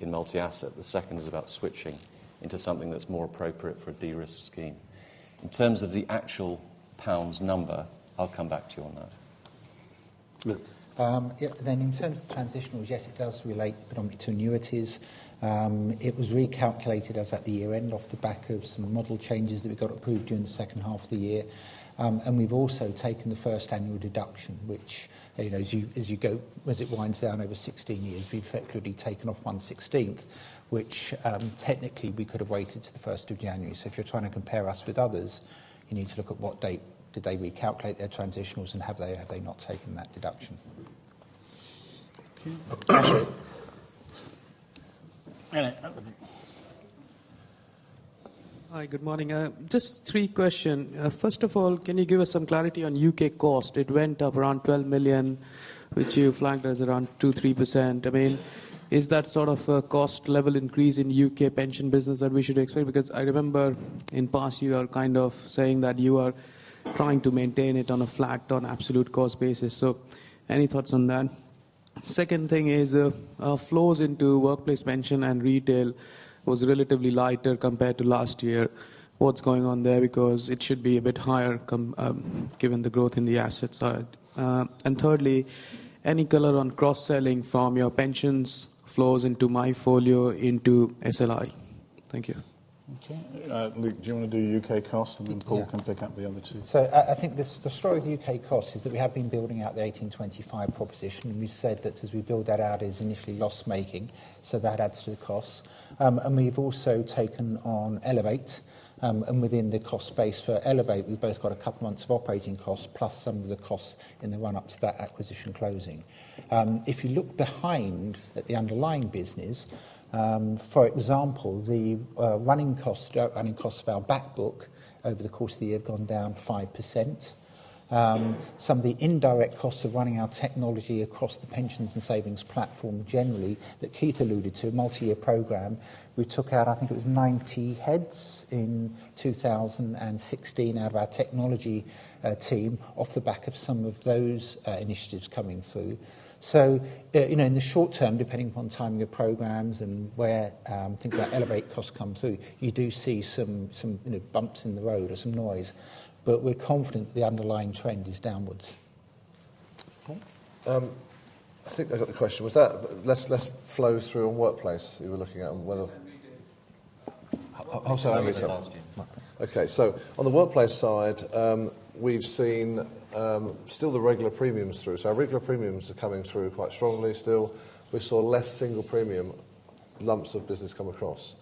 in multi-asset. The second is about switching into something that's more appropriate for a de-risk scheme. In terms of the actual GBP number, I'll come back to you on that. Luke. Yeah. In terms of transitionals, it does relate predominantly to annuities. It was recalculated as at the year-end off the back of some model changes that we got approved during the second half of the year. We've also taken the first annual deduction, which as it winds down over 16 years, we've effectively taken off 1/16th, which technically we could have waited till the 1st of January. If you're trying to compare us with others, you need to look at what date did they recalculate their transitionals and have they or have they not taken that deduction? Okay. Elliot, up at the- Hi, good morning. Just three question. First of all, can you give us some clarity on U.K. cost? It went up around 12 million, which you flagged as around 2%-3%. Is that sort of a cost level increase in U.K. pension business that we should expect? I remember in past you are kind of saying that you are trying to maintain it on a flat on absolute cost basis. Any thoughts on that? Second thing is, flows into workplace pension and retail was relatively lighter compared to last year. What's going on there? Because it should be a bit higher given the growth in the asset side. Thirdly, any color on cross-selling from your pensions flows into MyFolio into SLI? Thank you. Okay. Luke, do you want to do U.K. cost and then Paul can pick up the other two? I think the story with U.K. cost is that we have been building out the 1825 proposition, we've said that as we build that out, it is initially loss-making, that adds to the cost. We've also taken on Elevate. Within the cost base for Elevate, we've both got a couple months of operating costs, plus some of the costs in the run-up to that acquisition closing. If you look behind at the underlying business, for example, the running cost of our back book over the course of the year have gone down 5%. Some of the indirect costs of running our technology across the pensions and savings platform generally, that Keith alluded to, a multi-year program, we took out, I think it was 90 heads in 2016 out of our technology team off the back of some of those initiatives coming through. In the short term, depending upon timing of programs and where things like Elevate costs come through, you do see some bumps in the road or some noise. We're confident the underlying trend is downwards. Paul? I think I got the question. Was that less flows through on workplace you were looking at? It was retail. Oh, sorry, retail. Workplace last year. Okay. On the workplace side, we've seen still the regular premiums through. Our regular premiums are coming through quite strongly still. We saw less single premium lumps of business come across.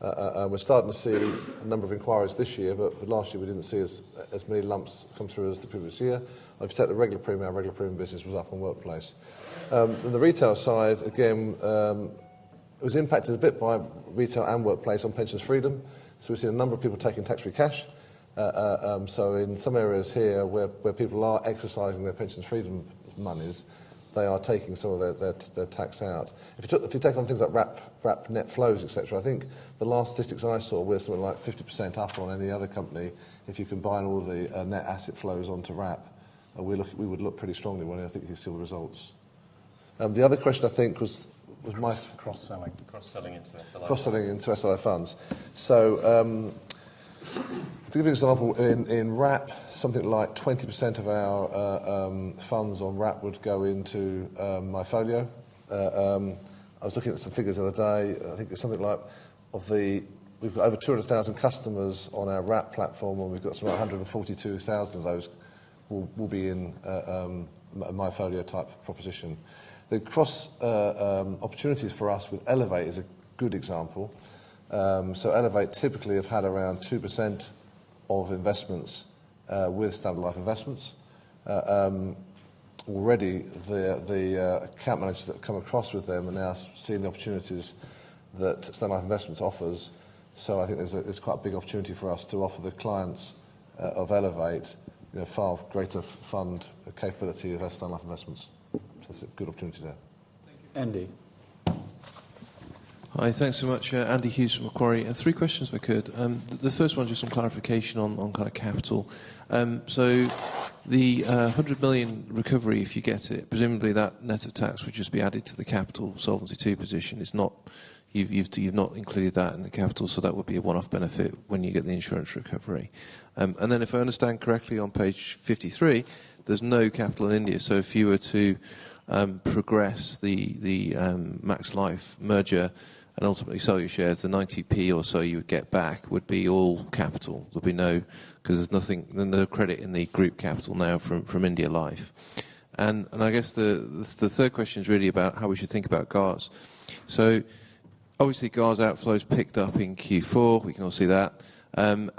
We're starting to see a number of inquiries this year, but last year we didn't see as many lumps come through as the previous year. If you take the regular premium, our regular premium business was up on workplace. On the retail side, again, it was impacted a bit by retail and workplace on pensions freedom. In some areas here where people are exercising their pensions freedom monies, they are taking some of their tax out. If you take on things like Wrap net flows, et cetera, I think the last statistics I saw, we're something like 50% up on any other company. If you combine all the net asset flows onto Wrap, we would look pretty strongly when I think you see the results. The other question I think was. Cross-selling. Cross-selling into SLI funds. Cross-selling into SLI funds. To give you an example, in Wrap, something like 20% of our funds on Wrap would go into MyFolio. I was looking at some figures the other day. I think it's something like we've got over 200,000 customers on our Wrap platform, and we've got sort of 142,000 of those will be in a MyFolio type proposition. The cross opportunities for us with Elevate is a good example. Elevate typically have had around 2% of investments with Standard Life Investments. Already, the account managers that come across with them are now seeing the opportunities that Standard Life Investments offers. I think there's quite a big opportunity for us to offer the clients of Elevate far greater fund capability with our Standard Life Investments. There's a good opportunity there. Thank you, Andy. Hi. Thanks so much. Andrew McDonald-Hughes from Macquarie. Three questions if I could. The first one, just some clarification on kind of capital. The 100 million recovery, if you get it, presumably that net of tax would just be added to the capital Solvency II position. You've not included that in the capital, that would be a one-off benefit when you get the insurance recovery. If I understand correctly, on page 53, there's no capital in India. If you were to progress the Max Life merger and ultimately sell your shares, the 0.90 or so you would get back would be all capital. There'll be no credit in the group capital now from India Life. I guess the third question is really about how we should think about GARS. Obviously, GARS outflows picked up in Q4. We can all see that.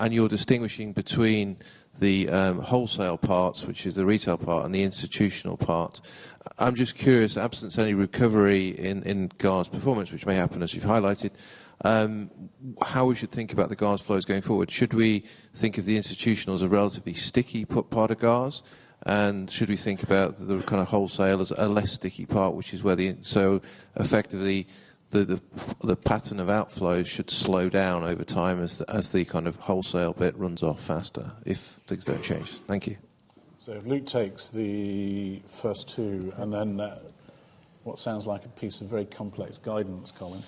You're distinguishing between the wholesale parts, which is the retail part, and the institutional part. I'm just curious, absence any recovery in GARS performance, which may happen as you've highlighted, how we should think about the GARS flows going forward. Should we think of the institutional as a relatively sticky part of GARS? Should we think about the kind of wholesale as a less sticky part, which is where the effectively, the pattern of outflows should slow down over time as the kind of wholesale bit runs off faster if things don't change. Thank you. If Luke takes the first two, and then what sounds like a piece of very complex guidance, Colin.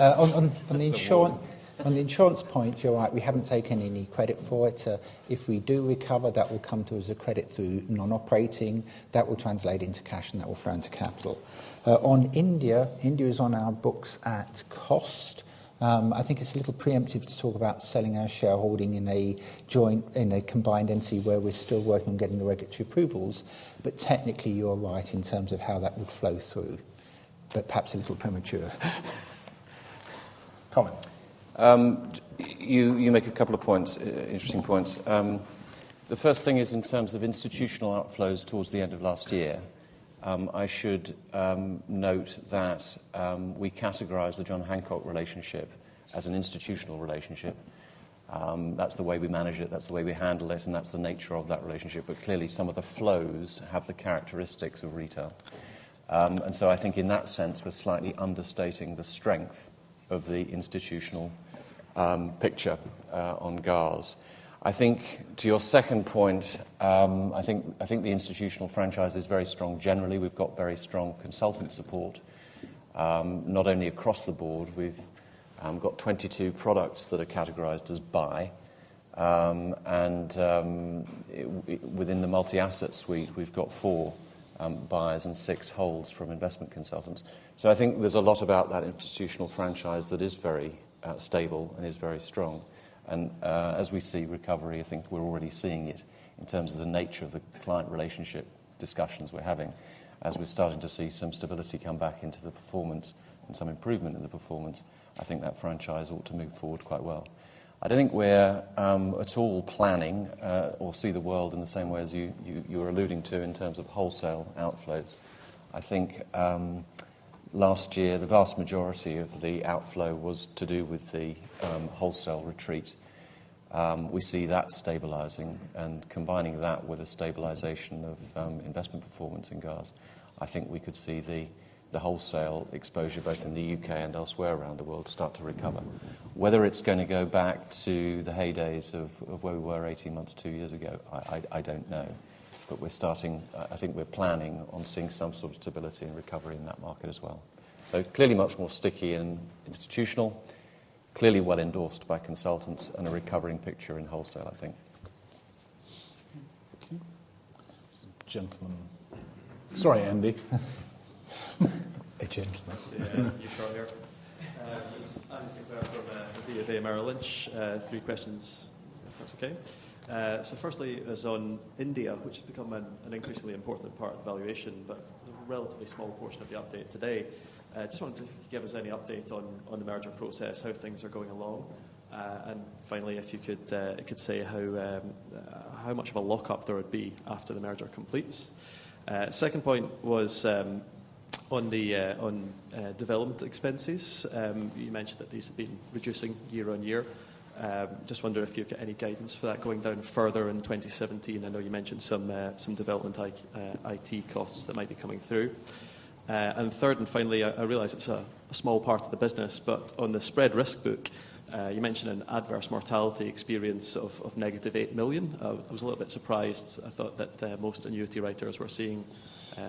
On the insurance point, you're right, we haven't taken any credit for it. If we do recover, that will come to us as a credit through non-operating. That will translate into cash, and that will flow into capital. On India is on our books at cost. I think it's a little preemptive to talk about selling our shareholding in a combined entity where we're still working on getting the regulatory approvals. Technically, you're right in terms of how that would flow through. Perhaps a little premature. Colin. You make a couple of points, interesting points. The first thing is in terms of institutional outflows towards the end of last year I should note that we categorize the John Hancock relationship as an institutional relationship. That's the way we manage it, that's the way we handle it, and that's the nature of that relationship. Clearly, some of the flows have the characteristics of retail. I think in that sense, we're slightly understating the strength of the institutional picture on GARS. I think to your second point, I think the institutional franchise is very strong. Generally, we've got very strong consultant support. Not only across the board, we've got 22 products that are categorized as buy. Within the multi-asset suite, we've got four buys and six holds from investment consultants. I think there's a lot about that institutional franchise that is very stable and is very strong. As we see recovery, I think we're already seeing it in terms of the nature of the client relationship discussions we're having. As we're starting to see some stability come back into the performance and some improvement in the performance, I think that franchise ought to move forward quite well. I don't think we're at all planning or see the world in the same way as you're alluding to in terms of wholesale outflows. I think last year, the vast majority of the outflow was to do with the wholesale retreat. We see that stabilizing, combining that with a stabilization of investment performance in GARS. I think we could see the wholesale exposure, both in the U.K. and elsewhere around the world, start to recover. Whether it's going to go back to the heydays of where we were 18 months, two years ago, I don't know. I think we're planning on seeing some sort of stability and recovery in that market as well. Clearly much more sticky and institutional. Clearly well-endorsed by consultants and a recovering picture in wholesale, I think. Okay. There's a gentleman Sorry, Andy. A gentleman. Yeah. You sure are. It is Andy Sinclair from BofA Merrill Lynch. 3 questions, if that is okay? Firstly, it was on India, which has become an increasingly important part of the valuation, but a relatively small portion of the update today. Just wondering if you could give us any update on the merger process, how things are going along. Finally, if you could say how much of a lockup there would be after the merger completes. Second point was on development expenses. You mentioned that these have been reducing year-on-year. Just wonder if you have got any guidance for that going down further in 2017. I know you mentioned some development IT costs that might be coming through. Third and finally, I realize it is a small part of the business, but on the spread risk book, you mentioned an adverse mortality experience of negative 8 million. I was a little bit surprised. I thought that most annuity writers were seeing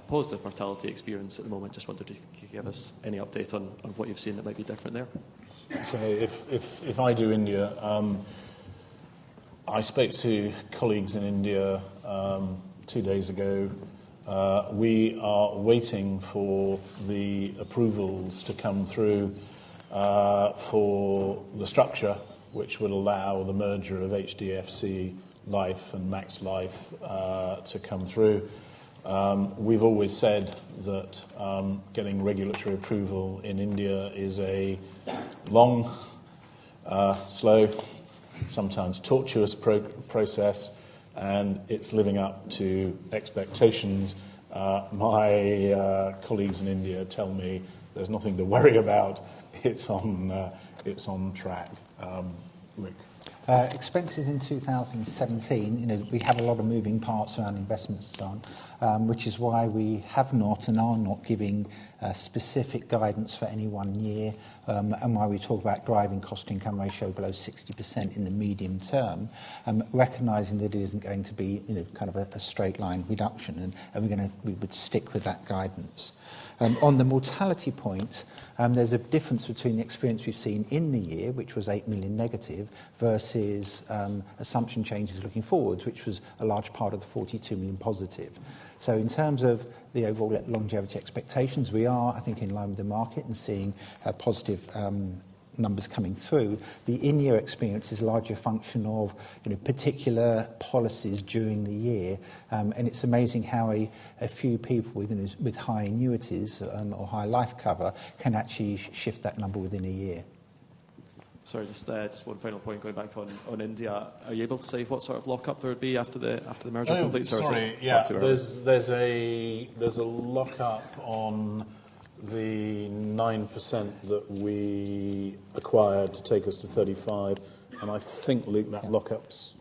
positive mortality experience at the moment. Just wondered if you could give us any update on what you have seen that might be different there. If I do India, I spoke to colleagues in India two days ago. We are waiting for the approvals to come through for the structure which would allow the merger of HDFC Life and Max Life to come through. We have always said that getting regulatory approval in India is a long, slow, sometimes torturous process, and it is living up to expectations. My colleagues in India tell me there is nothing to worry about. It is on track. Luke? Expenses in 2017, we have a lot of moving parts around investments, Stan, which is why we have not and are not giving specific guidance for any one year, and why we talk about driving cost-income ratio below 60% in the medium term, recognizing that it isn't going to be kind of a straight line reduction, and we would stick with that guidance. On the mortality point, there's a difference between the experience we've seen in the year, which was 8 million negative, versus assumption changes looking forward, which was a large part of the 42 million positive. In terms of the overall longevity expectations, we are, I think, in line with the market and seeing positive numbers coming through. The in-year experience is a larger function of particular policies during the year. It's amazing how a few people with high annuities or high life cover can actually shift that number within a year. Sorry, just one final point going back on India. Are you able to say what sort of lockup there would be after the merger completes? Or is it Oh, sorry. Yeah too early? There's a lockup on the 9% that we acquired to take us to 35, and I think, Luke, that lockup's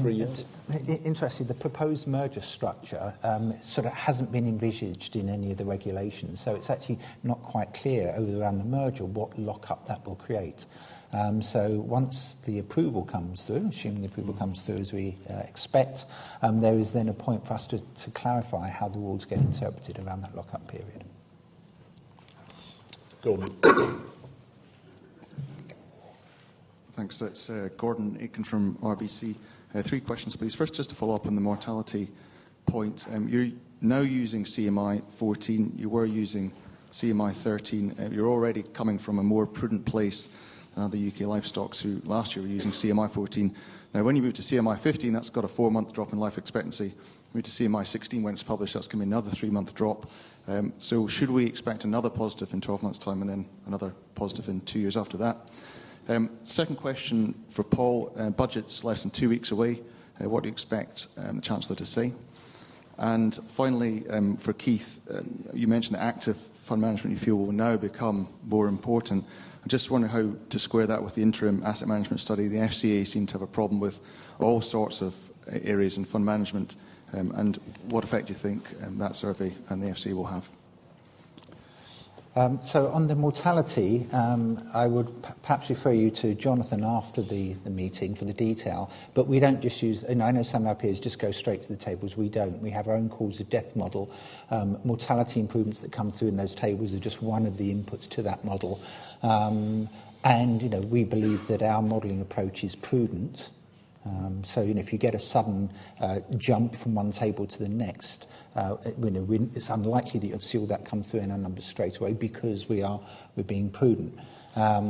three years. Yeah. Interestingly, the proposed merger structure sort of hasn't been envisaged in any of the regulations. It's actually not quite clear around the merger what lockup that will create. Once the approval comes through, assuming the approval comes through as we expect, there is then a point for us to clarify how the rules get interpreted around that lockup period. Gordon. Thanks. It's Gordon Aitken from RBC. Three questions, please. First, just to follow up on the mortality point. You're now using CMI 14. You were using CMI 13. You're already coming from a more prudent place than the U.K. life stocks who last year were using CMI 14. Now, when you move to CMI 15, that's got a four-month drop in life expectancy. Move to CMI 16, when it's published, that's going to be another three-month drop. Should we expect another positive in 12 months' time and then another positive in two years after that? Second question for Paul. Budget's less than two weeks away. What do you expect the Chancellor to say? Finally, for Keith, you mentioned that active fund management you feel will now become more important. I'm just wondering how to square that with the interim asset management study. The FCA seem to have a problem with all sorts of areas in fund management. What effect do you think that survey and the FCA will have? On the mortality, I would perhaps refer you to Jonathan after the meeting for the detail. I know some LPs just go straight to the tables. We don't. We have our own causes of death model. Mortality improvements that come through in those tables are just one of the inputs to that model. We believe that our modeling approach is prudent. If you get a sudden jump from one table to the next, it's unlikely that you'll see all that come through in our numbers straightaway because we're being prudent. I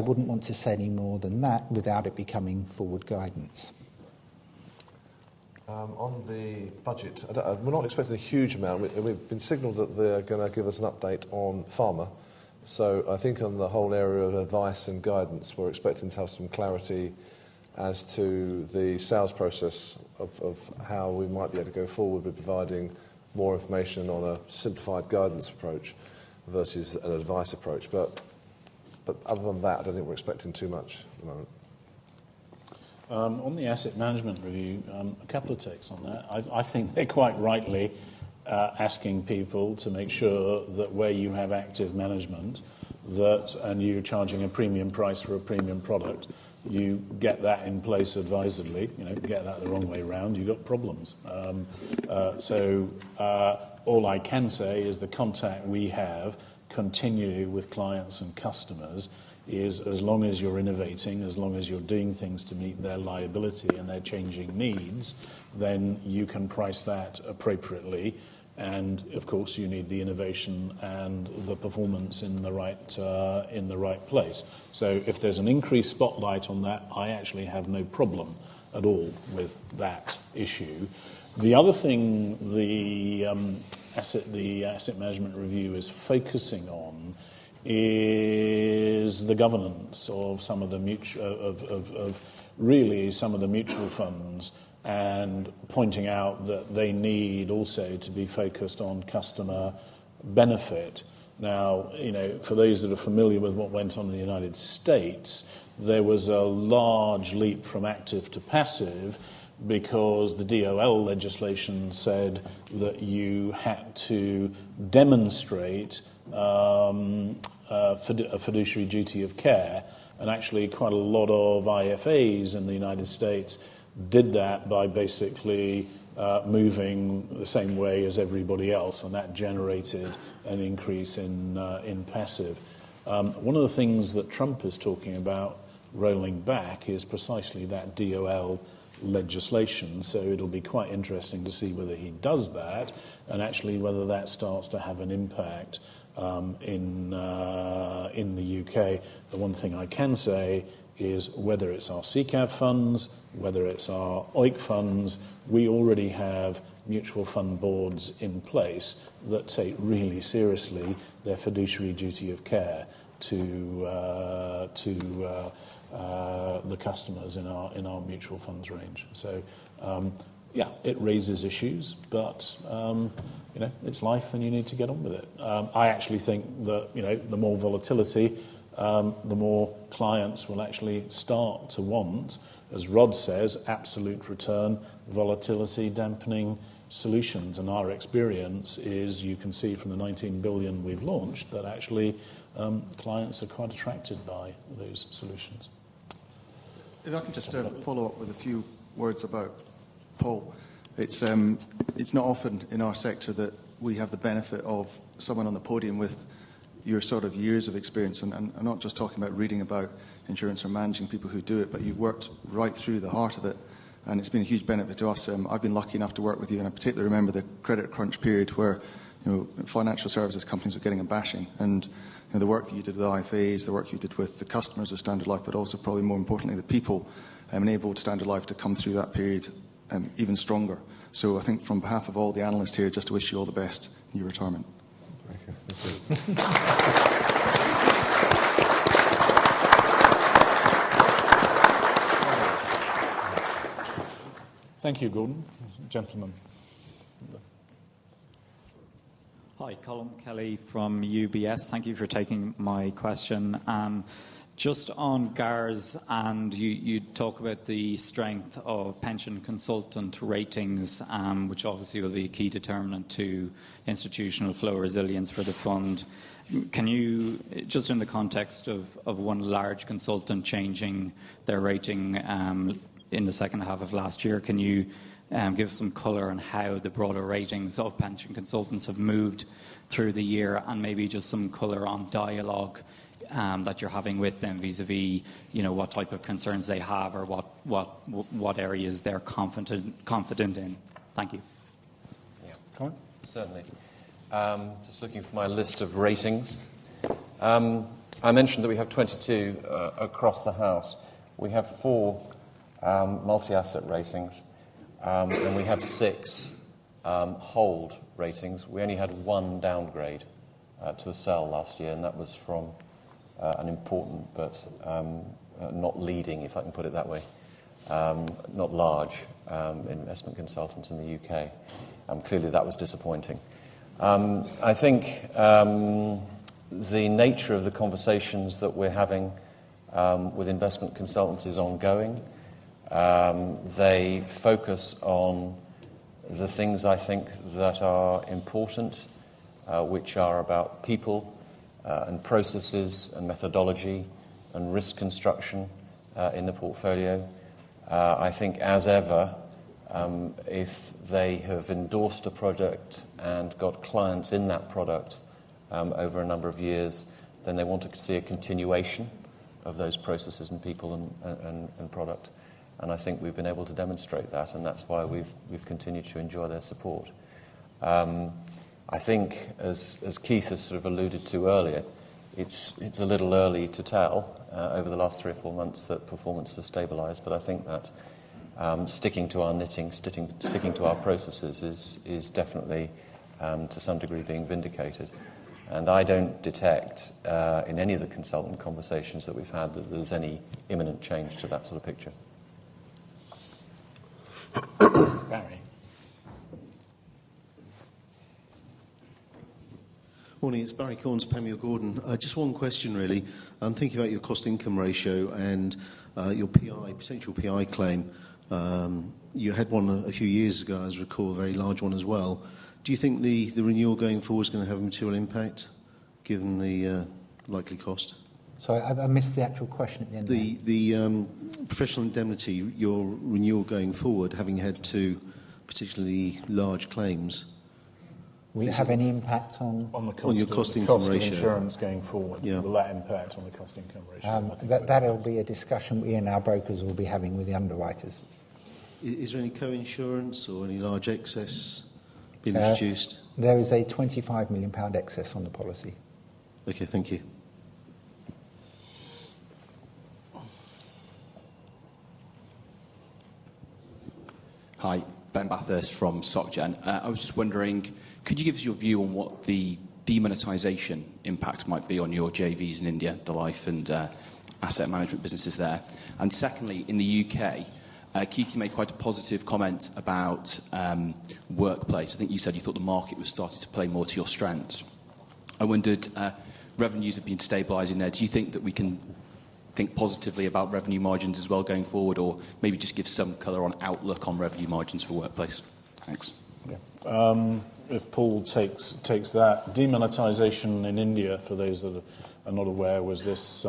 wouldn't want to say any more than that without it becoming forward guidance. On the budget, we're not expecting a huge amount. We've been signaled that they're going to give us an update on FAMR. I think on the whole area of advice and guidance, we're expecting to have some clarity as to the sales process of how we might be able to go forward with providing more information on a simplified guidance approach versus an advice approach. Other than that, I don't think we're expecting too much at the moment. On the asset management review, a couple of takes on that. I think they're quite rightly asking people to make sure that where you have active management, that, and you're charging a premium price for a premium product, you get that in place advisedly. Get that the wrong way around, you've got problems. All I can say is the contact we have continually with clients and customers is as long as you're innovating, as long as you're doing things to meet their liability and their changing needs, then you can price that appropriately. Of course, you need the innovation and the performance in the right place. If there's an increased spotlight on that, I actually have no problem at all with that issue. The other thing the asset management review is focusing on is the governance of really some of the mutual funds, pointing out that they need also to be focused on customer benefit. Now, for those that are familiar with what went on in the U.S., there was a large leap from active to passive because the DOL legislation said that you had to demonstrate a fiduciary duty of care. Actually, quite a lot of IFAs in the U.S. did that by basically moving the same way as everybody else, and that generated an increase in passive. One of the things that Trump is talking about rolling back is precisely that DOL legislation. It'll be quite interesting to see whether he does that, and actually whether that starts to have an impact in the U.K. The one thing I can say is whether it's our SICAV funds, whether it's our OEIC funds, we already have mutual fund boards in place that take really seriously their fiduciary duty of care to the customers in our mutual funds range. Yeah, it raises issues, but it's life and you need to get on with it. I actually think that the more volatility, the more clients will actually start to want, as Rod says, absolute return volatility dampening solutions. Our experience is, you can see from the 19 billion we've launched, that actually clients are quite attracted by those solutions. If I could just follow up with a few words about Paul. It's not often in our sector that we have the benefit of someone on the podium with your sort of years of experience. I'm not just talking about reading about insurance or managing people who do it, but you've worked right through the heart of it. It's been a huge benefit to us. I've been lucky enough to work with you, and I particularly remember the credit crunch period where financial services companies were getting a bashing. The work that you did with the IFAs, the work you did with the customers of Standard Life, but also probably more importantly, the people, enabled Standard Life to come through that period even stronger. I think from behalf of all the analysts here, just to wish you all the best in your retirement. Thank you. That's it. Thank you, Gordon. This gentleman. Hi, Colm Kelly from UBS. Thank you for taking my question. Just on GARS, you talk about the strength of pension consultant ratings, which obviously will be a key determinant to institutional flow resilience for the fund. Can you, just in the context of one large consultant changing their rating in the second half of last year, can you give some color on how the broader ratings of pension consultants have moved through the year? Maybe just some color on dialogue that you're having with them vis-a-vis what type of concerns they have or what areas they're confident in. Thank you. Yeah. Colm? Certainly. Just looking for my list of ratings. I mentioned that we have 22 across the house. We have four- Multi-asset ratings. We had six hold ratings. We only had one downgrade to a sell last year, and that was from an important but not leading, if I can put it that way, not large investment consultant in the U.K. Clearly, that was disappointing. I think the nature of the conversations that we're having with investment consultants is ongoing. They focus on the things I think that are important, which are about people, and processes, and methodology, and risk construction in the portfolio. I think as ever, if they have endorsed a product and got clients in that product over a number of years, then they want to see a continuation of those processes and people and product. I think we've been able to demonstrate that, and that's why we've continued to enjoy their support. I think as Keith has sort of alluded to earlier, it's a little early to tell over the last three or four months that performance has stabilized. I think that sticking to our knitting, sticking to our processes is definitely to some degree being vindicated. I don't detect in any of the consultant conversations that we've had that there's any imminent change to that sort of picture. Barry. Morning. It's Barrie Cornes, Panmure Gordon. Just one question, really. I'm thinking about your cost income ratio and your potential PI claim. You had one a few years ago, as I recall, a very large one as well. Do you think the renewal going forward is going to have a material impact given the likely cost? Sorry, I missed the actual question at the end there. The professional indemnity, your renewal going forward, having had two particularly large claims. Will it have any impact on? On the cost. on your cost income ratio. The cost of insurance going forward. Yeah. Will that impact on the cost income ratio? That'll be a discussion Ian and our brokers will be having with the underwriters. Is there any co-insurance or any large excess being introduced? There is a 25 million pound excess on the policy. Okay. Thank you. Hi. Ben Bathurst from SocGen. I was just wondering, could you give us your view on what the demonetization impact might be on your JVs in India, the life and asset management businesses there? Secondly, in the U.K., Keith, you made quite a positive comment about workplace. I think you said you thought the market was starting to play more to your strengths. I wondered, revenues have been stabilizing there. Do you think that we can think positively about revenue margins as well going forward? Maybe just give some color on outlook on revenue margins for workplace. Thanks. Yeah. If Paul takes that. Demonetization in India, for those that are not aware, was this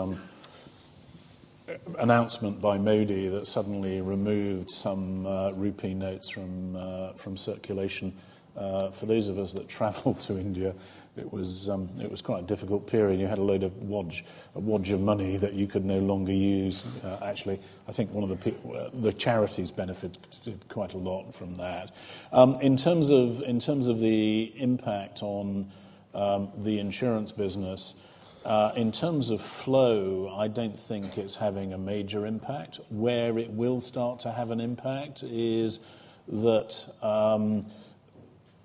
announcement by Modi that suddenly removed some rupee notes from circulation. For those of us that traveled to India, it was quite a difficult period. You had a wodge of money that you could no longer use. Actually, I think the charities benefited quite a lot from that. In terms of the impact on the insurance business, in terms of flow, I don't think it's having a major impact. Where it will start to have an impact is that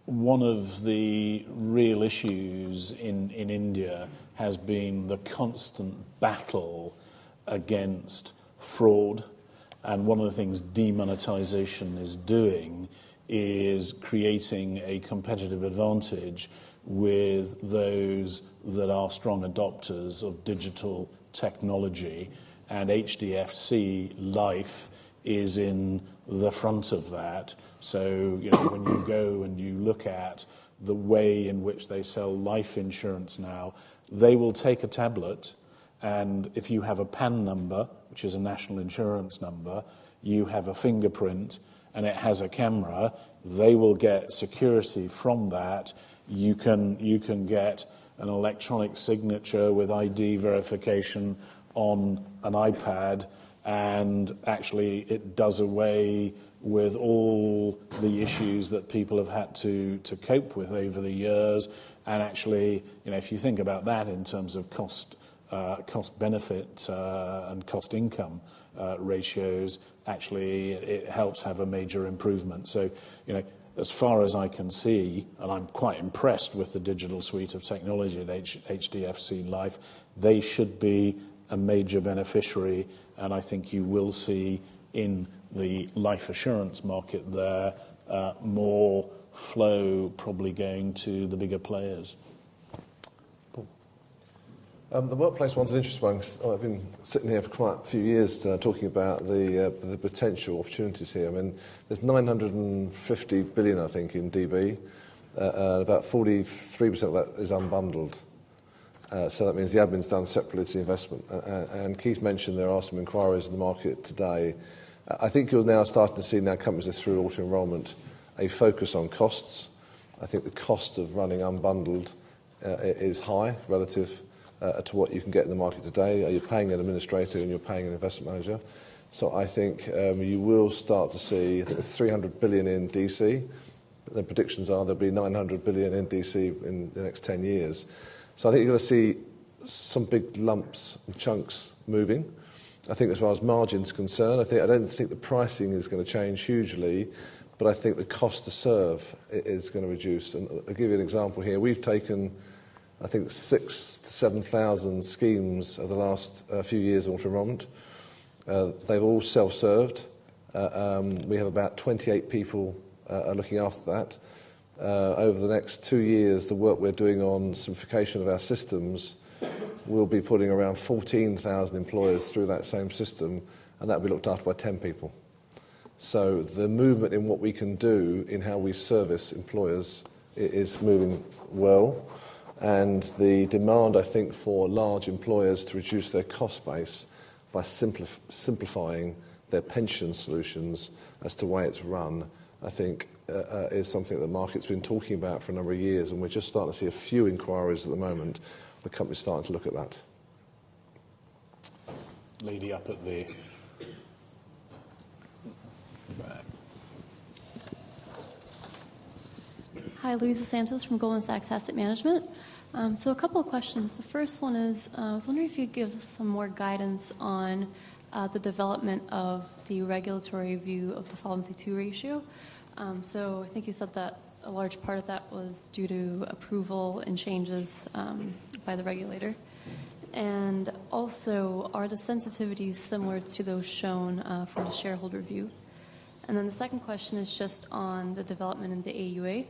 one of the real issues in India has been the constant battle against fraud, one of the things demonetization is doing is creating a competitive advantage with those that are strong adopters of digital technology, and HDFC Life is in the front of that. When you go and you look at the way in which they sell life insurance now. They will take a tablet, and if you have a PAN number, which is a national insurance number, you have a fingerprint, and it has a camera. They will get security from that. You can get an electronic signature with ID verification on an iPad, and actually, it does away with all the issues that people have had to cope with over the years. And actually, if you think about that in terms of cost benefit and cost income ratios, actually, it helps have a major improvement. As far as I can see, and I'm quite impressed with the digital suite of technology at HDFC Life, they should be a major beneficiary, and I think you will see in the life assurance market there, more flow probably going to the bigger players. Paul. The workplace one's an interesting one because I've been sitting here for quite a few years talking about the potential opportunities here. There's 950 billion, I think, in DB. About 43% of that is unbundled. That means the admin's done separately to the investment. And Keith mentioned there are some inquiries in the market today. You're now starting to see companies are through auto-enrollment, a focus on costs. The cost of running unbundled is high relative to what you can get in the market today. You're paying an administrator, and you're paying an investment manager. You will start to see 300 billion in DC The predictions are there'll be 900 billion in DC in the next 10 years. You're going to see some big lumps and chunks moving. As far as margin's concerned, I don't think the pricing is going to change hugely, but the cost to serve is going to reduce. And I'll give you an example here. We've taken 6,000 to 7,000 schemes over the last few years auto-enrollment. They've all self-served. We have about 28 people are looking after that. Over the next two years, the work we're doing on simplification of our systems, we'll be putting around 14,000 employers through that same system, and that'll be looked after by 10 people. The movement in what we can do in how we service employers is moving well, and the demand for large employers to reduce their cost base by simplifying their pension solutions as to the way it's run, is something that the market's been talking about for a number of years, and we're just starting to see a few inquiries at the moment with companies starting to look at that. Lady up at the back. Hi, Luisa Santos from Goldman Sachs Asset Management. A couple of questions. The first one is, I was wondering if you'd give some more guidance on the development of the regulatory view of the Solvency II ratio. I think you said that a large part of that was due to approval and changes by the regulator. Also, are the sensitivities similar to those shown for the shareholder view? The second question is just on the development in the AUA.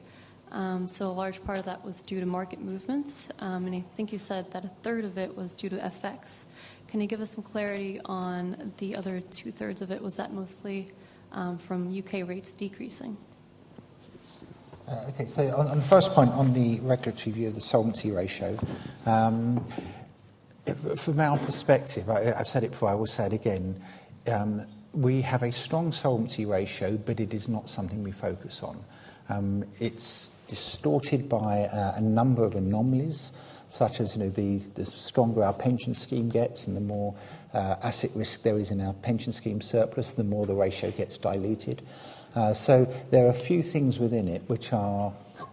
A large part of that was due to market movements. I think you said that a third of it was due to FX. Can you give us some clarity on the other two thirds of it? Was that mostly from U.K. rates decreasing? On the first point, on the regulatory view of the solvency ratio. From our perspective, I've said it before, I will say it again. We have a strong solvency ratio, but it is not something we focus on. It's distorted by a number of anomalies, such as the stronger our pension scheme gets and the more asset risk there is in our pension scheme surplus, the more the ratio gets diluted. There are a few things within it which are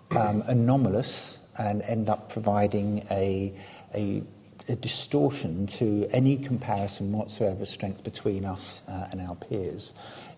anomalous and end up providing a distortion to any comparison whatsoever strength between us and our peers.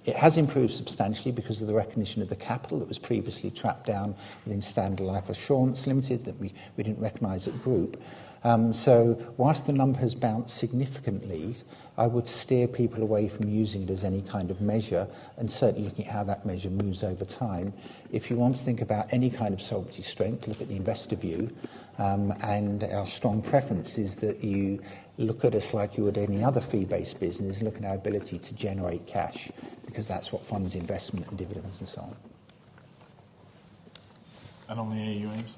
It has improved substantially because of the recognition of the capital that was previously trapped down within Standard Life Assurance Limited that we didn't recognize at group. Whilst the number has bounced significantly, I would steer people away from using it as any kind of measure, and certainly looking at how that measure moves over time. If you want to think about any kind of solvency strength, look at the investor view. Our strong preference is that you look at us like you would any other fee-based business. Look at our ability to generate cash, because that's what funds investment and dividends and so on. On the AUAs?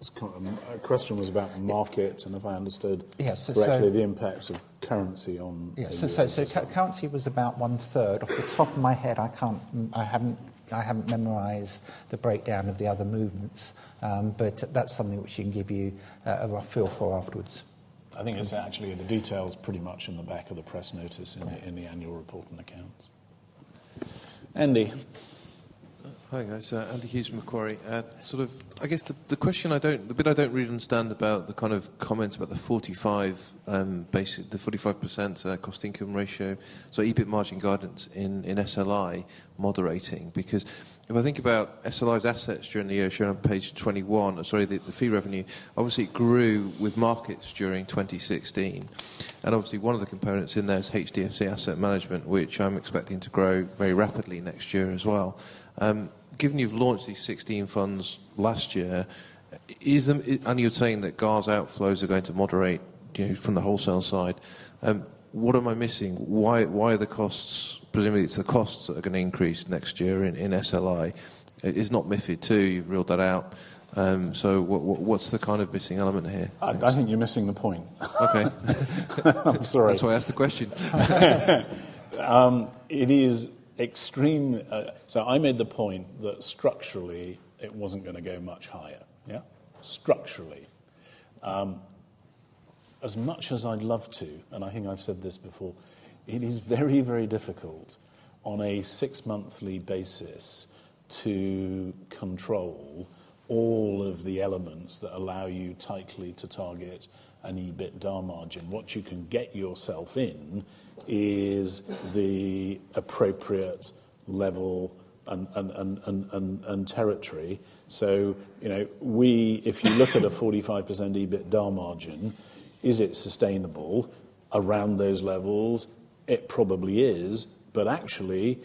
The question was about the market, and if I understood Yes, correctly, the impact of currency on AUAs as well. Currency was about one third. Off the top of my head, I haven't memorized the breakdown of the other movements. That's something which we can give you a feel for afterwards. I think it's actually, the detail is pretty much in the back of the press notice in the annual report and accounts. Andy. Hi, guys. Andy Hughes, Macquarie. I guess the bit I don't really understand about the kind of comments about the 45% cost income ratio. EBIT margin guidance in SLI moderating, because if I think about SLI's assets during the year shown on page 21, sorry, the fee revenue obviously grew with markets during 2016. One of the components in there is HDFC Asset Management, which I'm expecting to grow very rapidly next year as well. Given you've launched these 16 funds last year, and you're saying that GARS outflows are going to moderate from the wholesale side, what am I missing? Why are the costs? Presumably it's the costs that are going to increase next year in SLI. It's not MiFID II, you've ruled that out. What's the kind of missing element here? I think you're missing the point. Okay. I'm sorry. That's why I asked the question. I made the point that structurally it wasn't going to go much higher, yeah? Structurally. As much as I'd love to, and I think I've said this before, it is very difficult on a six-monthly basis to control all of the elements that allow you tightly to target an EBITDA margin. What you can get yourself in is the appropriate level and territory. If you look at a 45% EBITDA margin, is it sustainable around those levels? It probably is. Actually,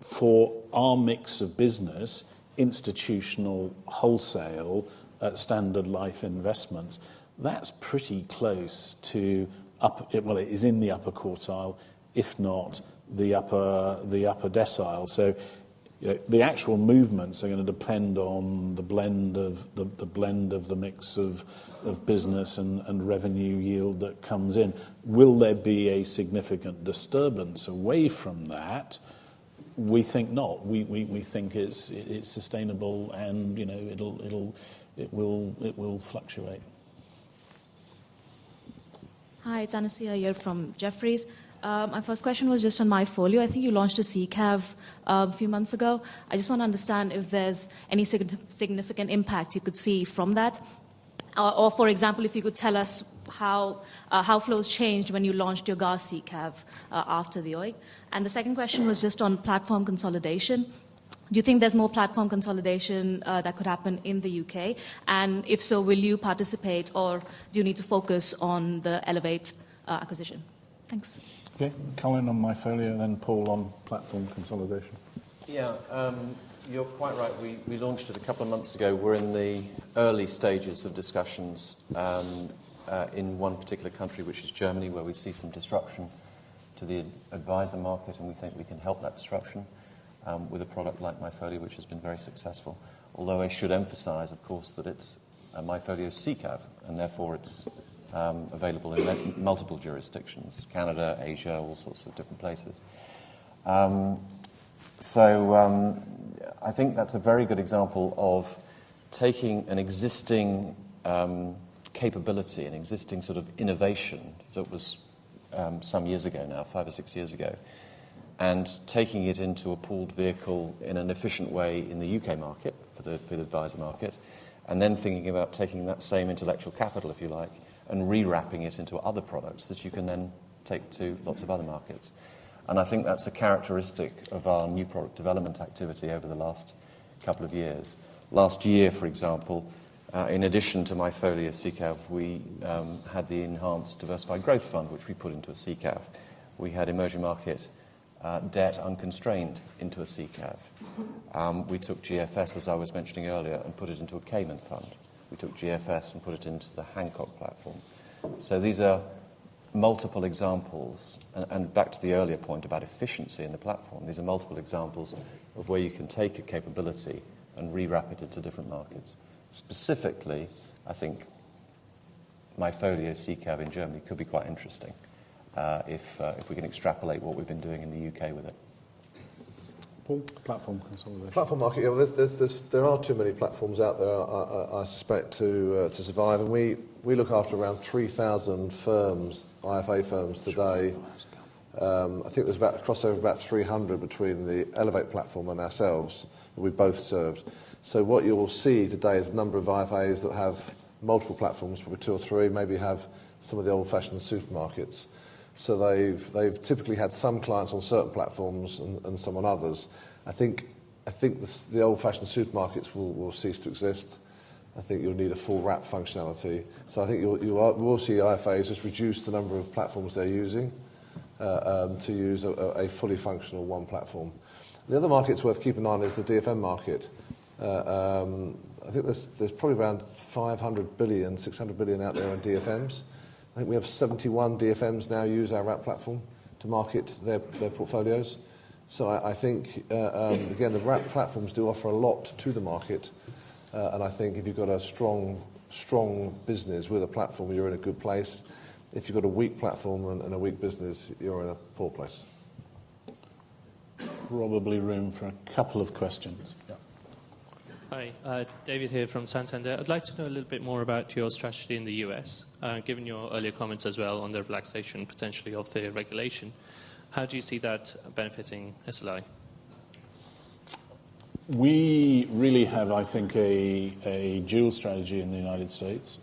for our mix of business, institutional wholesale at Standard Life Investments, that's pretty close to up Well, it is in the upper quartile, if not the upper decile. The actual movements are going to depend on the blend of the mix of business and revenue yield that comes in. Will there be a significant disturbance away from that? We think not. We think it's sustainable, it will fluctuate. Hi, it's Anicia Yale from Jefferies. My first question was just on MyFolio. I think you launched a SICAV a few months ago. I just want to understand if there's any significant impact you could see from that? Or, for example, if you could tell us how flows changed when you launched your GARS SICAV after the OEIC. The second question was just on platform consolidation. Do you think there's more platform consolidation that could happen in the U.K.? If so, will you participate or do you need to focus on the Elevate acquisition? Thanks. Okay. Colin on MyFolio, then Paul on platform consolidation. You're quite right. We launched it a couple of months ago. We're in the early stages of discussions, in one particular country, which is Germany, where we see some disruption to the advisor market, and we think we can help that disruption, with a product like MyFolio, which has been very successful. Although I should emphasize, of course, that it's a MyFolio SICAV, and therefore it's available in multiple jurisdictions, Canada, Asia, all sorts of different places. I think that's a very good example of taking an existing capability, an existing sort of innovation that was some years ago now, five or six years ago, and taking it into a pooled vehicle in an efficient way in the U.K. market for the advisor market, and then thinking about taking that same intellectual capital, if you like, and rewrapping it into other products that you can then take to lots of other markets. I think that's a characteristic of our new product development activity over the last couple of years. Last year, for example, in addition to MyFolio SICAV, we had the enhanced diversified growth fund, which we put into a SICAV. We had emerging market debt unconstrained into a SICAV. We took GFS, as I was mentioning earlier, and put it into a Cayman fund. We took GFS and put it into the Hancock platform. These are multiple examples, and back to the earlier point about efficiency in the platform. These are multiple examples of where you can take a capability and rewrap it into different markets. Specifically, I think MyFolio SICAV in Germany could be quite interesting, if we can extrapolate what we've been doing in the U.K. with it. Paul, platform consolidation. Platform market. There are too many platforms out there, I suspect, to survive, and we look after around 3,000 firms, IFA firms today. 3,000 firms. I think there's about a crossover of about 300 between the Elevate platform and ourselves, that we both served. What you will see today is a number of IFAs that have multiple platforms, probably two or three, maybe have some of the old-fashioned supermarkets. They've typically had some clients on certain platforms and some on others. I think the old-fashioned supermarkets will cease to exist. I think you'll need a full Wrap functionality. I think you will see IFAs just reduce the number of platforms they're using, to use a fully functional one platform. The other market that's worth keeping an eye on is the DFM market. I think there's probably around 500 billion, 600 billion out there in DFMs. I think we have 71 DFMs now use our Wrap platform to market their portfolios. I think, again, the Wrap platforms do offer a lot to the market. I think if you've got a strong business with a platform, you're in a good place. If you've got a weak platform and a weak business, you're in a poor place. Probably room for a couple of questions. Yeah. Hi, David here from Santander. I'd like to know a little bit more about your strategy in the U.S. Given your earlier comments as well on the relaxation, potentially, of the regulation, how do you see that benefiting SLI? We really have, I think, a dual strategy in the U.S.,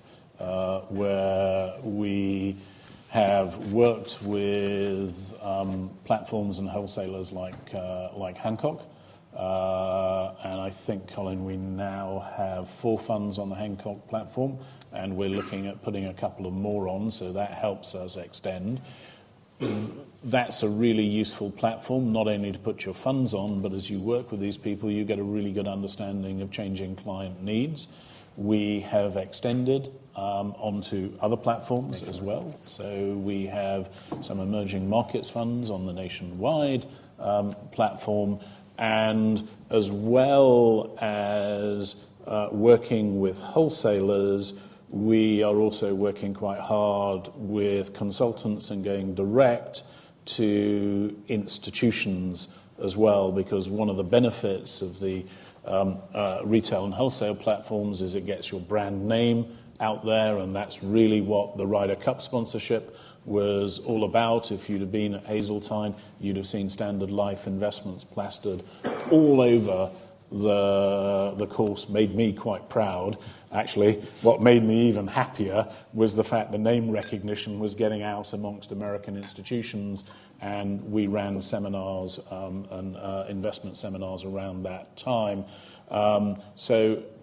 where we have worked with platforms and wholesalers like Hancock. I think, Colin, we now have four funds on the Hancock platform, and we're looking at putting a couple of more on, that helps us extend. That's a really useful platform, not only to put your funds on, but as you work with these people, you get a really good understanding of changing client needs. We have extended onto other platforms as well. We have some emerging markets funds on the Nationwide platform. As well as working with wholesalers, we are also working quite hard with consultants and going direct to institutions as well, because one of the benefits of the retail and wholesale platforms is it gets your brand name out there, and that's really what the Ryder Cup sponsorship was all about. If you'd have been at Hazeltine, you'd have seen Standard Life Investments plastered all over the course. Made me quite proud, actually. What made me even happier was the fact the name recognition was getting out amongst U.S. institutions, and we ran seminars and investment seminars around that time.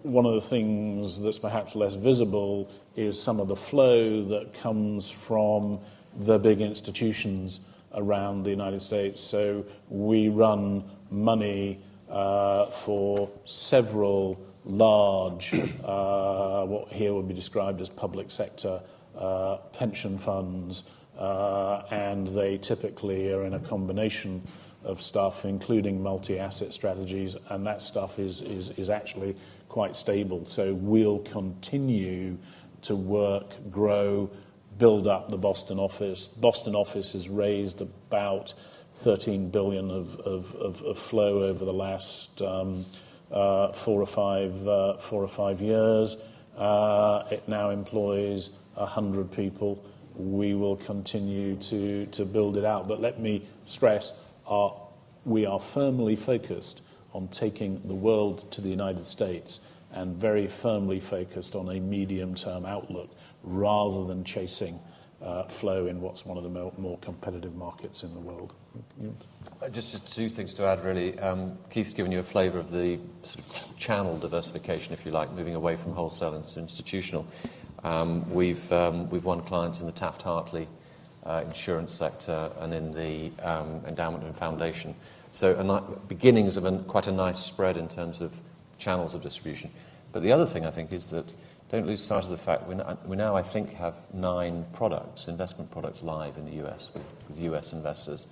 One of the things that's perhaps less visible is some of the flow that comes from the big institutions around the U.S. We run money for several large, what here would be described as public sector pension funds. They typically are in a combination of stuff, including multi-asset strategies, and that stuff is actually quite stable. We'll continue to work, grow, build up the Boston office. Boston office has raised about 13 billion of flow over the last four or five years. It now employs 100 people. We will continue to build it out. Let me stress, we are firmly focused on taking the world to the U.S., and very firmly focused on a medium-term outlook rather than chasing flow in what's one of the more competitive markets in the world. Just two things to add, really. Keith's given you a flavor of the channel diversification, if you like, moving away from wholesale into institutional. We've won clients in the Taft-Hartley insurance sector and in the endowment and foundation. Beginnings of quite a nice spread in terms of channels of distribution. The other thing I think is that don't lose sight of the fact we now I think have nine products, investment products, live in the U.S. with U.S. investors.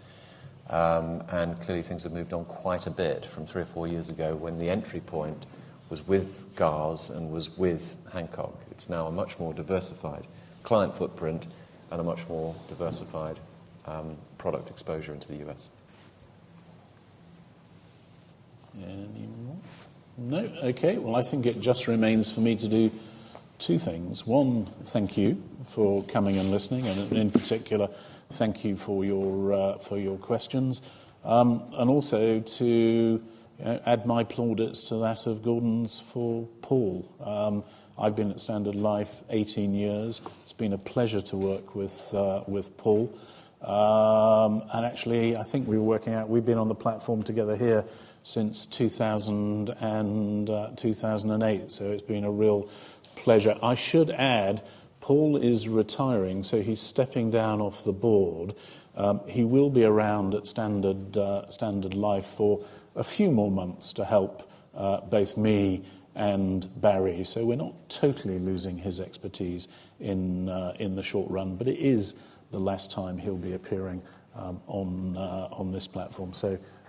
Clearly things have moved on quite a bit from three or four years ago when the entry point was with GARS and was with Hancock. It's now a much more diversified client footprint and a much more diversified product exposure into the U.S. Any more? No. Okay. Well, I think it just remains for me to do two things. One, thank you for coming and listening and in particular, thank you for your questions. Also to add my plaudits to that of Gordon's for Paul. I've been at Standard Life 18 years. It's been a pleasure to work with Paul. Actually, I think we were working out, we've been on the platform together here since 2008. It's been a real pleasure. I should add, Paul is retiring, he's stepping down off the board. He will be around at Standard Life for a few more months to help both me and Barry. We're not totally losing his expertise in the short run, it is the last time he'll be appearing on this platform.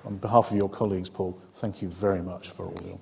On behalf of your colleagues, Paul, thank you very much for all your-